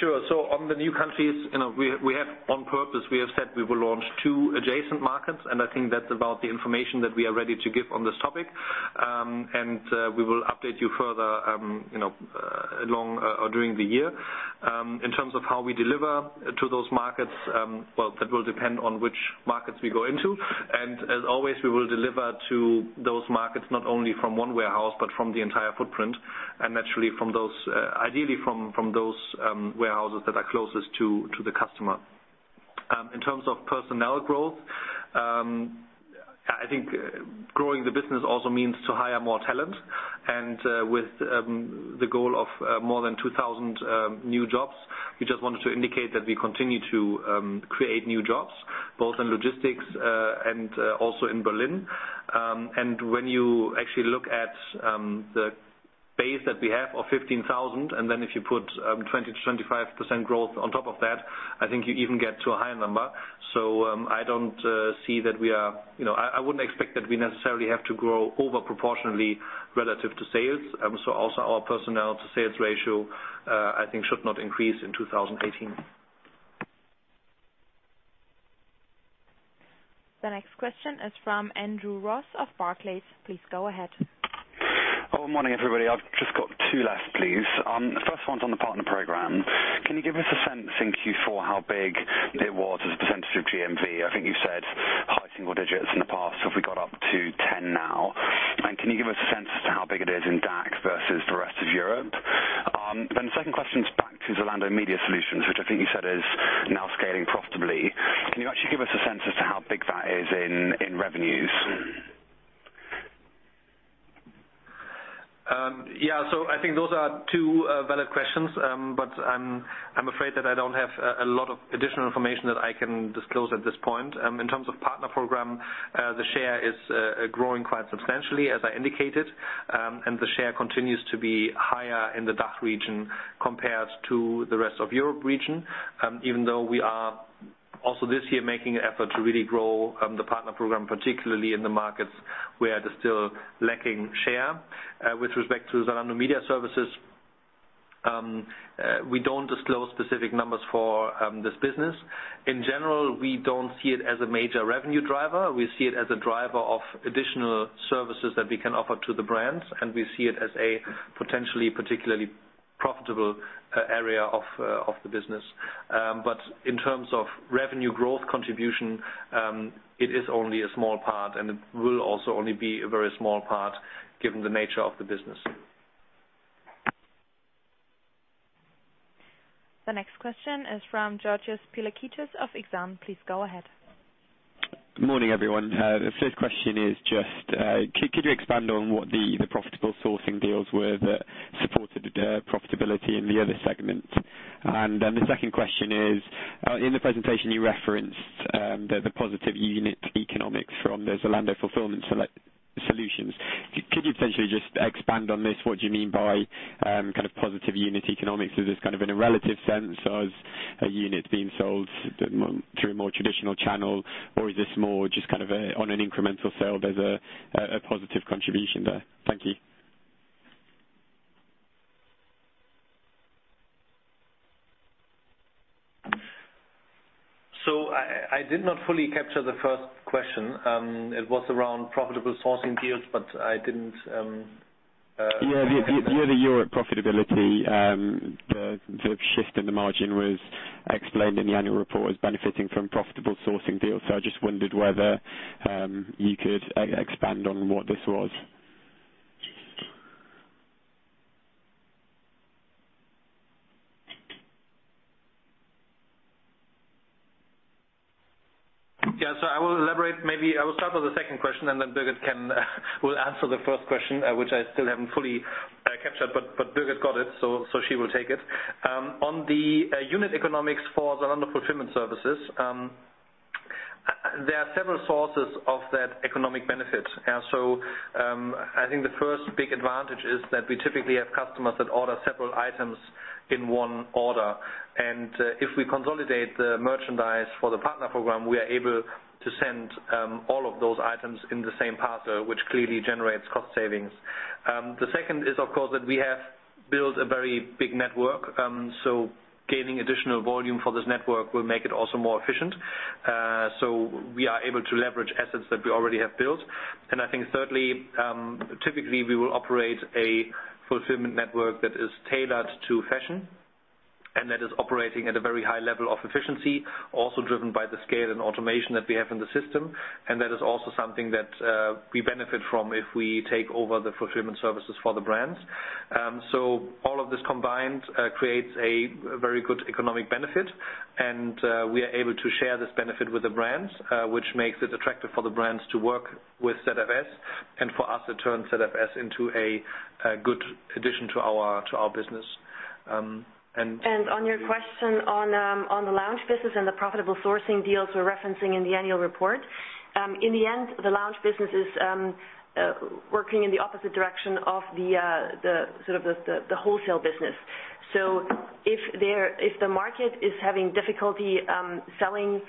Speaker 2: Sure. On the new countries, on purpose, we have said we will launch two adjacent markets, and I think that's about the information that we are ready to give on this topic. We will update you further during the year. In terms of how we deliver to those markets, well, that will depend on which markets we go into. As always, we will deliver to those markets not only from one warehouse but from the entire footprint, and naturally, ideally from those warehouses that are closest to the customer. In terms of personnel growth, I think growing the business also means to hire more talent. With the goal of more than 2,000 new jobs, we just wanted to indicate that we continue to create new jobs both in logistics and also in Berlin. When you actually look at the base that we have of 15,000, then if you put 20%-25% growth on top of that, I think you even get to a higher number. I wouldn't expect that we necessarily have to grow over proportionally relative to sales. Also our personnel to sales ratio, I think should not increase in 2018.
Speaker 3: The next question is from Andrew Ross of Barclays. Please go ahead.
Speaker 11: Morning, everybody. I've just got two last, please. First one's on the Partner Program. Can you give us a sense in Q4 how big it was as a percentage of GMV? I think you said high single digits in the past. Have we got up to 10 now? Can you give us a sense as to how big it is in DACH versus the rest of Europe? The second question is back to Zalando Marketing Services, which I think you said is now scaling profitably. Can you actually give us a sense as to how big that is in revenues?
Speaker 2: Yeah. I think those are two valid questions. I'm afraid that I don't have a lot of additional information that I can disclose at this point. In terms of Partner Program, the share is growing quite substantially, as I indicated, and the share continues to be higher in the DACH region compared to the rest of Europe region. Even though we are also this year making an effort to really grow the Partner Program, particularly in the markets where they're still lacking share. With respect to Zalando Marketing Services, we don't disclose specific numbers for this business. In general, we don't see it as a major revenue driver. We see it as a driver of additional services that we can offer to the brands, and we see it as a potentially particularly profitable area of the business. In terms of revenue growth contribution, it is only a small part, and it will also only be a very small part given the nature of the business.
Speaker 3: The next question is from Georgios Pilikitis of Exane. Please go ahead.
Speaker 12: Morning, everyone. The first question is just, could you expand on what the profitable sourcing deals were that supported profitability in the other segment? The second question is, in the presentation you referenced the positive unit economics from the Zalando Fulfillment Solutions. Could you potentially just expand on this? What do you mean by positive unit economics? Is this in a relative sense as a unit being sold through a more traditional channel, or is this more just on an incremental sale, there is a positive contribution there? Thank you.
Speaker 2: I did not fully capture the first question. It was around profitable sourcing deals.
Speaker 12: The year-over-year profitability, the shift in the margin was explained in the annual report as benefiting from profitable sourcing deals. I just wondered whether you could expand on what this was.
Speaker 2: I will elaborate. Maybe I will start with the second question, then Birgit will answer the first question, which I still haven't fully captured. Birgit got it, so she will take it. On the unit economics for Zalando Fulfillment Solutions, there are several sources of that economic benefit. I think the first big advantage is that we typically have customers that order several items in one order. If we consolidate the merchandise for the Partner Program, we are able to send all of those items in the same parcel, which clearly generates cost savings. The second is, of course, that we have built a very big network. Gaining additional volume for this network will make it also more efficient. We are able to leverage assets that we already have built. I think thirdly, typically, we will operate a fulfillment network that is tailored to fashion and that is operating at a very high level of efficiency, also driven by the scale and automation that we have in the system. That is also something that we benefit from if we take over the Fulfillment Solutions for the brands. All of this combined creates a very good economic benefit, and we are able to share this benefit with the brands, which makes it attractive for the brands to work with ZFS and for us to turn ZFS into a good addition to our business.
Speaker 13: On your question on the Lounge business and the profitable sourcing deals we're referencing in the annual report In the end, the Lounge business is working in the opposite direction of the wholesale business. If the market is having difficulty selling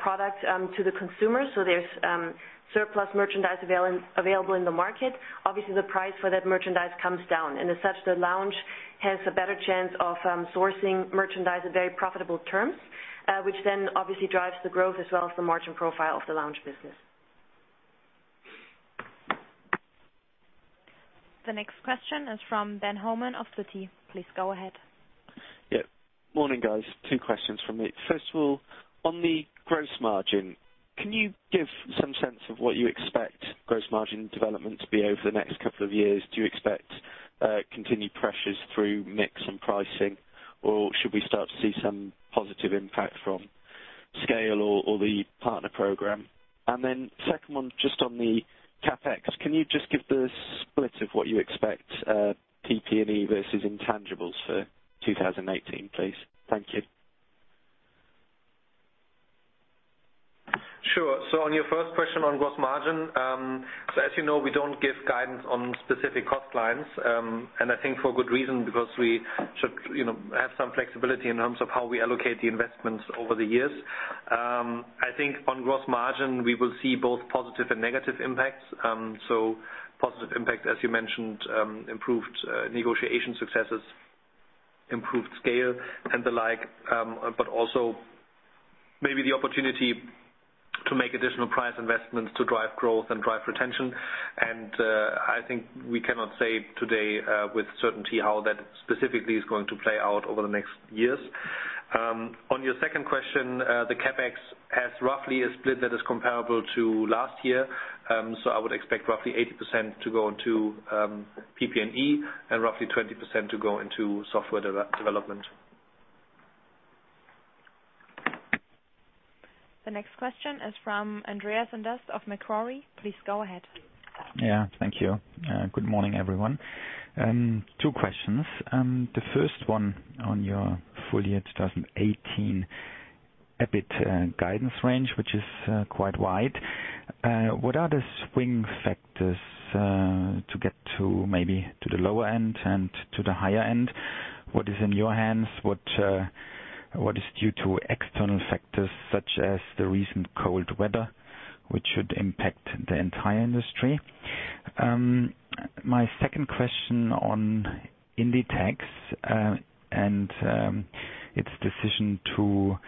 Speaker 13: products to the consumer, so there's surplus merchandise available in the market, obviously the price for that merchandise comes down. As such, the Lounge has a better chance of sourcing merchandise at very profitable terms, which then obviously drives the growth as well as the margin profile of the Lounge business.
Speaker 3: The next question is from Ben Holman of [Citi]. Please go ahead.
Speaker 14: Morning, guys. Two questions from me. First of all, on the gross margin, can you give some sense of what you expect gross margin development to be over the next couple of years? Do you expect continued pressures through mix and pricing, or should we start to see some positive impact from scale or the Partner Program? Then second one, just on the CapEx, can you just give the split of what you expect PP&E versus intangibles for 2018, please? Thank you.
Speaker 2: Sure. On your first question on gross margin. As you know, we don't give guidance on specific cost lines. I think for good reason, because we should have some flexibility in terms of how we allocate the investments over the years. I think on gross margin, we will see both positive and negative impacts. Positive impact, as you mentioned, improved negotiation successes, improved scale and the like. Also maybe the opportunity to make additional price investments to drive growth and drive retention. I think we cannot say today with certainty how that specifically is going to play out over the next years. On your second question, the CapEx has roughly a split that is comparable to last year. I would expect roughly 80% to go into PP&E and roughly 20% to go into software development.
Speaker 3: The next question is from Andreas Sundfors of Macquarie. Please go ahead.
Speaker 15: Yeah, thank you. Good morning, everyone. Two questions. The first one on your full year 2018 EBIT guidance range, which is quite wide. What are the swing factors to get to maybe to the lower end and to the higher end? What is in your hands? What is due to external factors such as the recent cold weather, which should impact the entire industry? My second question on Inditex, and its decision to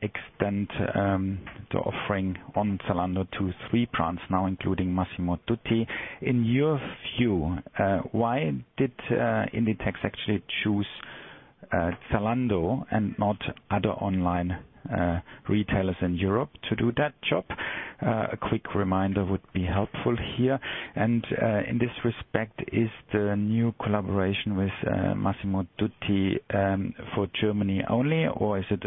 Speaker 15: extend the offering on Zalando to three brands now, including Massimo Dutti. In your view, why did Inditex actually choose Zalando and not other online retailers in Europe to do that job? A quick reminder would be helpful here. In this respect, is the new collaboration with Massimo Dutti for Germany only, or is it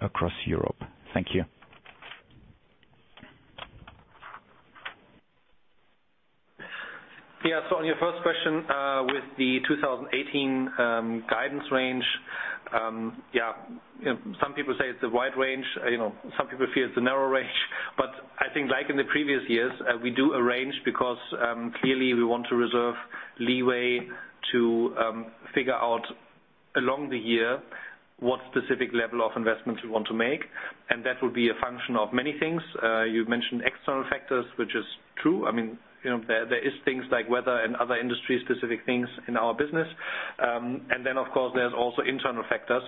Speaker 15: across Europe? Thank you.
Speaker 2: On your first question, with the 2018 guidance range. Some people say it's a wide range. Some people feel it's a narrow range. I think like in the previous years, we do a range because clearly we want to reserve leeway to figure out along the year what specific level of investments we want to make, and that will be a function of many things. You mentioned external factors, which is true. There is things like weather and other industry-specific things in our business. Then, of course, there's also internal factors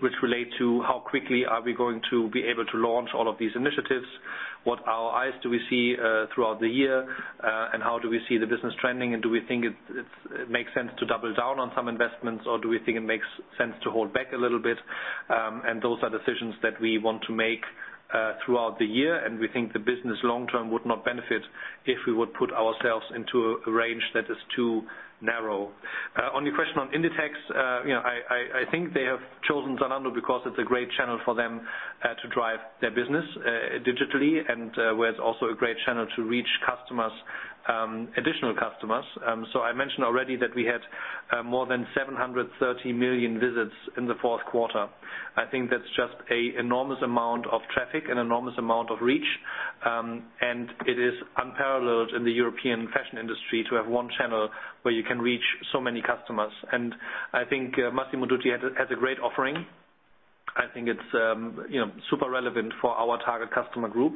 Speaker 2: which relate to how quickly are we going to be able to launch all of these initiatives, what ROI do we see throughout the year, how do we see the business trending, do we think it makes sense to double down on some investments, or do we think it makes sense to hold back a little bit? Those are decisions that we want to make throughout the year. We think the business long-term would not benefit if we would put ourselves into a range that is too narrow. On your question on Inditex. I think they have chosen Zalando because it's a great channel for them to drive their business digitally and where it's also a great channel to reach additional customers. I mentioned already that we had more than 730 million visits in the fourth quarter. I think that's just an enormous amount of traffic, an enormous amount of reach. It is unparalleled in the European fashion industry to have one channel where you can reach so many customers. I think Massimo Dutti has a great offering. I think it's super relevant for our target customer group.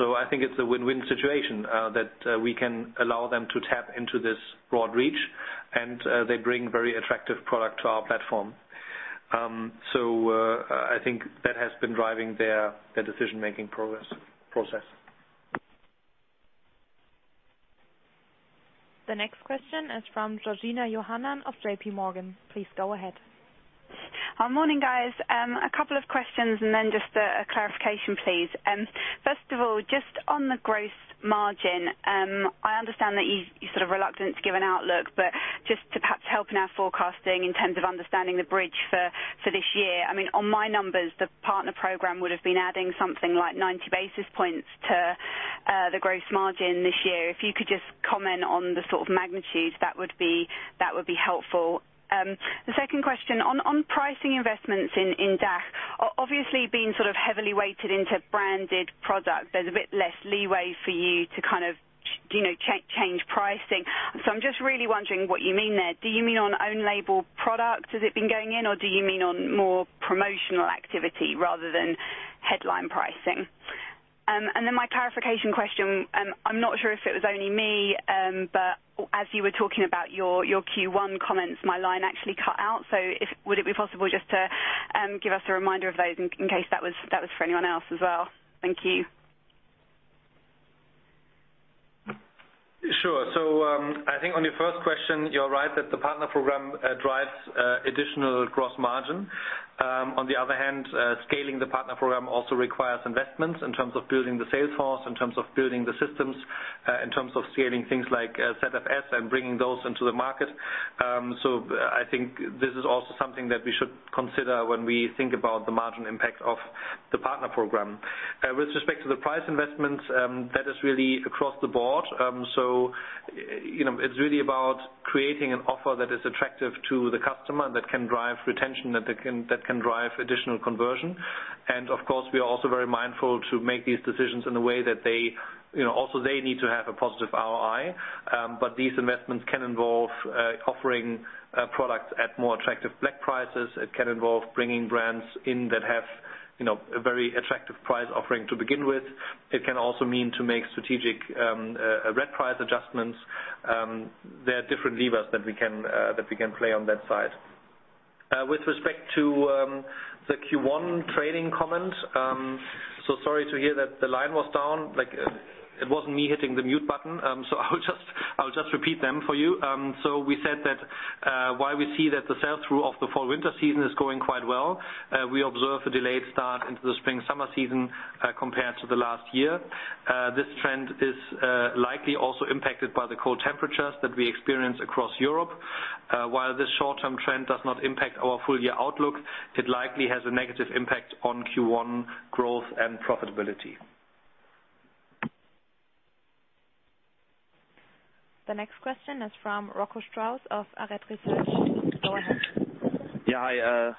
Speaker 2: I think it's a win-win situation that we can allow them to tap into this broad reach, and they bring very attractive product to our platform. I think that has been driving their decision-making process.
Speaker 3: The next question is from Georgina Johanan of JPMorgan. Please go ahead.
Speaker 16: Morning, guys. A couple of questions and then just a clarification, please. First of all, just on the gross margin, I understand that you're sort of reluctant to give an outlook, but just to perhaps help in our forecasting in terms of understanding the bridge for this year. On my numbers, the Partner Program would have been adding something like 90 basis points. The gross margin this year. If you could just comment on the magnitude, that would be helpful. The second question, on pricing investments in DACH. Obviously, being heavily weighted into branded products, there's a bit less leeway for you to change pricing. I'm just really wondering what you mean there. Do you mean on own label product, has it been going in, or do you mean on more promotional activity rather than headline pricing? My clarification question, I'm not sure if it was only me, but as you were talking about your Q1 comments, my line actually cut out. Would it be possible just to give us a reminder of those in case that was for anyone else as well? Thank you.
Speaker 2: I think on your first question, you're right that the Partner Program drives additional gross margin. On the other hand, scaling the Partner Program also requires investments in terms of building the sales force, in terms of building the systems, in terms of scaling things like ZFS and bringing those into the market. I think this is also something that we should consider when we think about the margin impact of the Partner Program. With respect to the price investments, that is really across the board. It is really about creating an offer that is attractive to the customer, that can drive retention, that can drive additional conversion. Of course, we are also very mindful to make these decisions in a way that they also need to have a positive ROI. These investments can involve offering products at more attractive black prices. It can involve bringing brands in that have a very attractive price offering to begin with. It can also mean to make strategic red price adjustments. There are different levers that we can play on that side. With respect to the Q1 trading comment. Sorry to hear that the line was down. It wasn't me hitting the mute button. I will just repeat them for you. We said that, while we see that the sell-through of the fall/winter season is going quite well, we observe a delayed start into the spring/summer season compared to the last year. This trend is likely also impacted by the cold temperatures that we experience across Europe. While this short-term trend does not impact our full-year outlook, it likely has a negative impact on Q1 growth and profitability.
Speaker 3: The next question is from Rocco Strauss of Arete Research. Go ahead.
Speaker 17: Hi.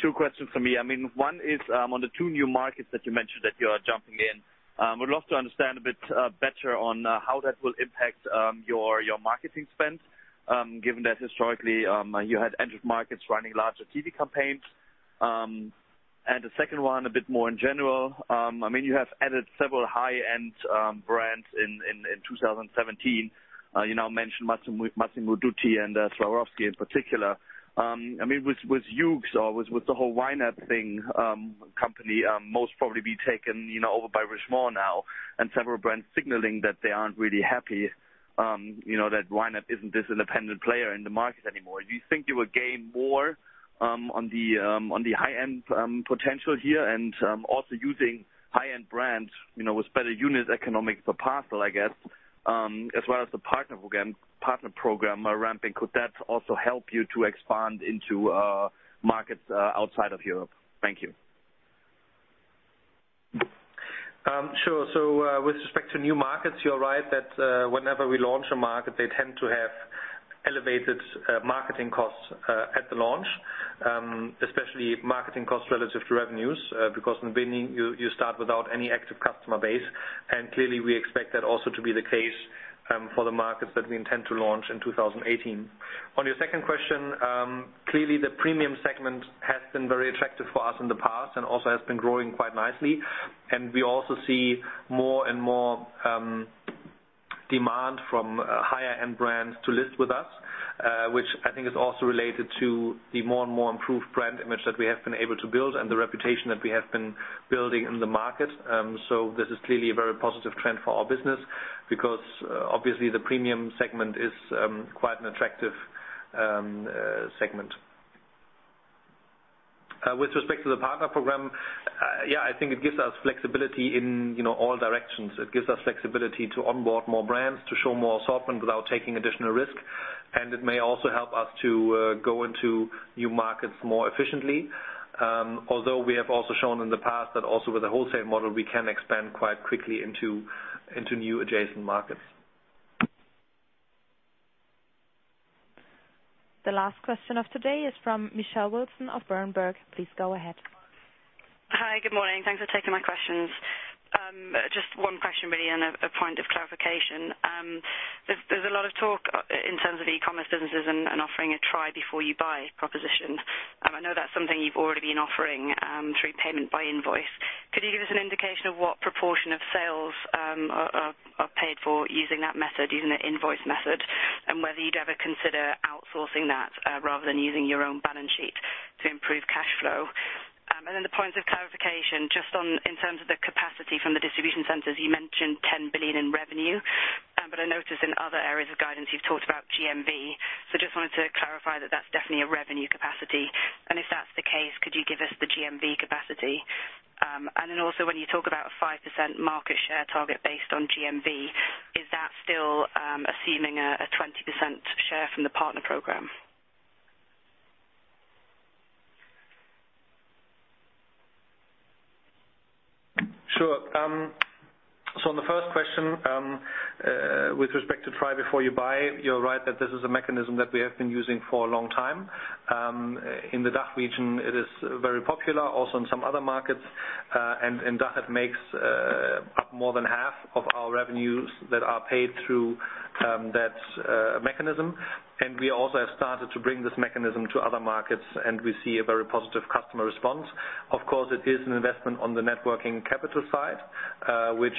Speaker 17: Two questions from me. One is on the two new markets that you mentioned that you are jumping in. I would love to understand a bit better on how that will impact your marketing spend, given that historically you had entered markets running larger TV campaigns. The second one, a bit more in general. You have added several high-end brands in 2017. You now mentioned Massimo Dutti and Swarovski in particular. With Yoox or with the whole YNAP thing, company most probably be taken over by Richemont now, and several brands signaling that they are not really happy that YNAP is not this independent player in the market anymore. Do you think you will gain more on the high-end potential here and also using high-end brands with better unit economics per parcel, I guess, as well as the Partner Program ramping, could that also help you to expand into markets outside of Europe? Thank you.
Speaker 2: Sure. With respect to new markets, you're right that whenever we launch a market, they tend to have elevated marketing costs at the launch, especially marketing costs relative to revenues, because in the beginning, you start without any active customer base. Clearly, we expect that also to be the case for the markets that we intend to launch in 2018. On your second question, clearly the premium segment has been very attractive for us in the past and also has been growing quite nicely. We also see more and more demand from higher-end brands to list with us, which I think is also related to the more and more improved brand image that we have been able to build and the reputation that we have been building in the market. This is clearly a very positive trend for our business because obviously the premium segment is quite an attractive segment. With respect to the Partner Program, yeah, I think it gives us flexibility in all directions. It gives us flexibility to onboard more brands, to show more assortment without taking additional risk. It may also help us to go into new markets more efficiently. Although we have also shown in the past that also with a wholesale model, we can expand quite quickly into new adjacent markets.
Speaker 3: The last question of today is from Michelle Wilson of Berenberg. Please go ahead.
Speaker 18: Hi. Good morning. Thanks for taking my questions. Just one question really and a point of clarification. There's a lot of talk in terms of e-commerce businesses and offering a try before you buy proposition. I know that's something you've already been offering through payment by invoice. Could you give us an indication of what proportion of sales are paid for using that method, using the invoice method, and whether you'd ever consider outsourcing that rather than using your own balance sheet to improve cash flow? The point of clarification, just in terms of the capacity from the distribution centers, you mentioned 10 billion in revenue. But I noticed in other areas of guidance, you've talked about GMV. So just wanted to clarify that that's definitely a revenue capacity. If that's the case, could you give us the GMV capacity? Also when you talk about a 5% market share target based on GMV, is that still assuming a 20% share from the Partner Program?
Speaker 2: Sure. On the first question, with respect to try before you buy, you're right that this is a mechanism that we have been using for a long time. In the DACH region, it is very popular, also in some other markets. DACH makes up more than half of our revenues that are paid through that mechanism. We also have started to bring this mechanism to other markets, and we see a very positive customer response. Of course, it is an investment on the networking capital side, which,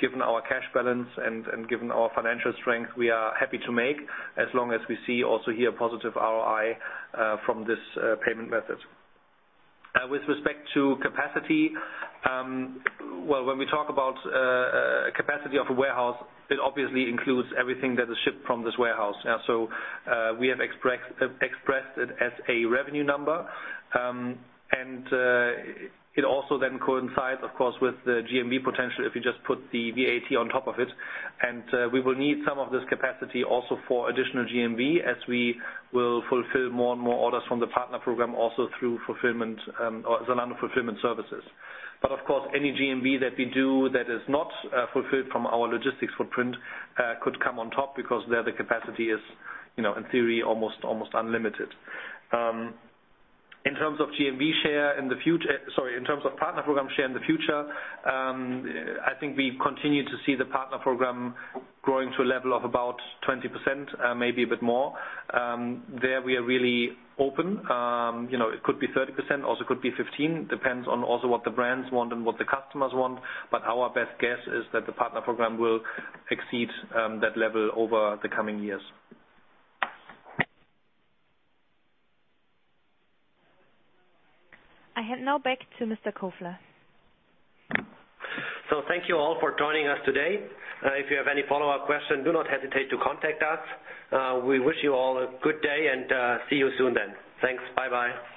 Speaker 2: given our cash balance and given our financial strength, we are happy to make as long as we see also here positive ROI from this payment method. With respect to capacity, when we talk about capacity of a warehouse, it obviously includes everything that is shipped from this warehouse. So we have expressed it as a revenue number. It also then coincides, of course, with the GMV potential if you just put the VAT on top of it. We will need some of this capacity also for additional GMV as we will fulfill more and more orders from the Partner Program also through Zalando Fulfillment Solutions. Of course, any GMV that we do that is not fulfilled from our logistics footprint could come on top because there the capacity is, in theory, almost unlimited. In terms of Partner Program share in the future, I think we continue to see the Partner Program growing to a level of about 20%, maybe a bit more. There we are really open. It could be 30%, also could be 15, depends on also what the brands want and what the customers want. Our best guess is that the Partner Program will exceed that level over the coming years.
Speaker 3: I hand now back to Mr. Kofler.
Speaker 1: Thank you all for joining us today. If you have any follow-up questions, do not hesitate to contact us. We wish you all a good day, and see you soon then. Thanks. Bye-bye.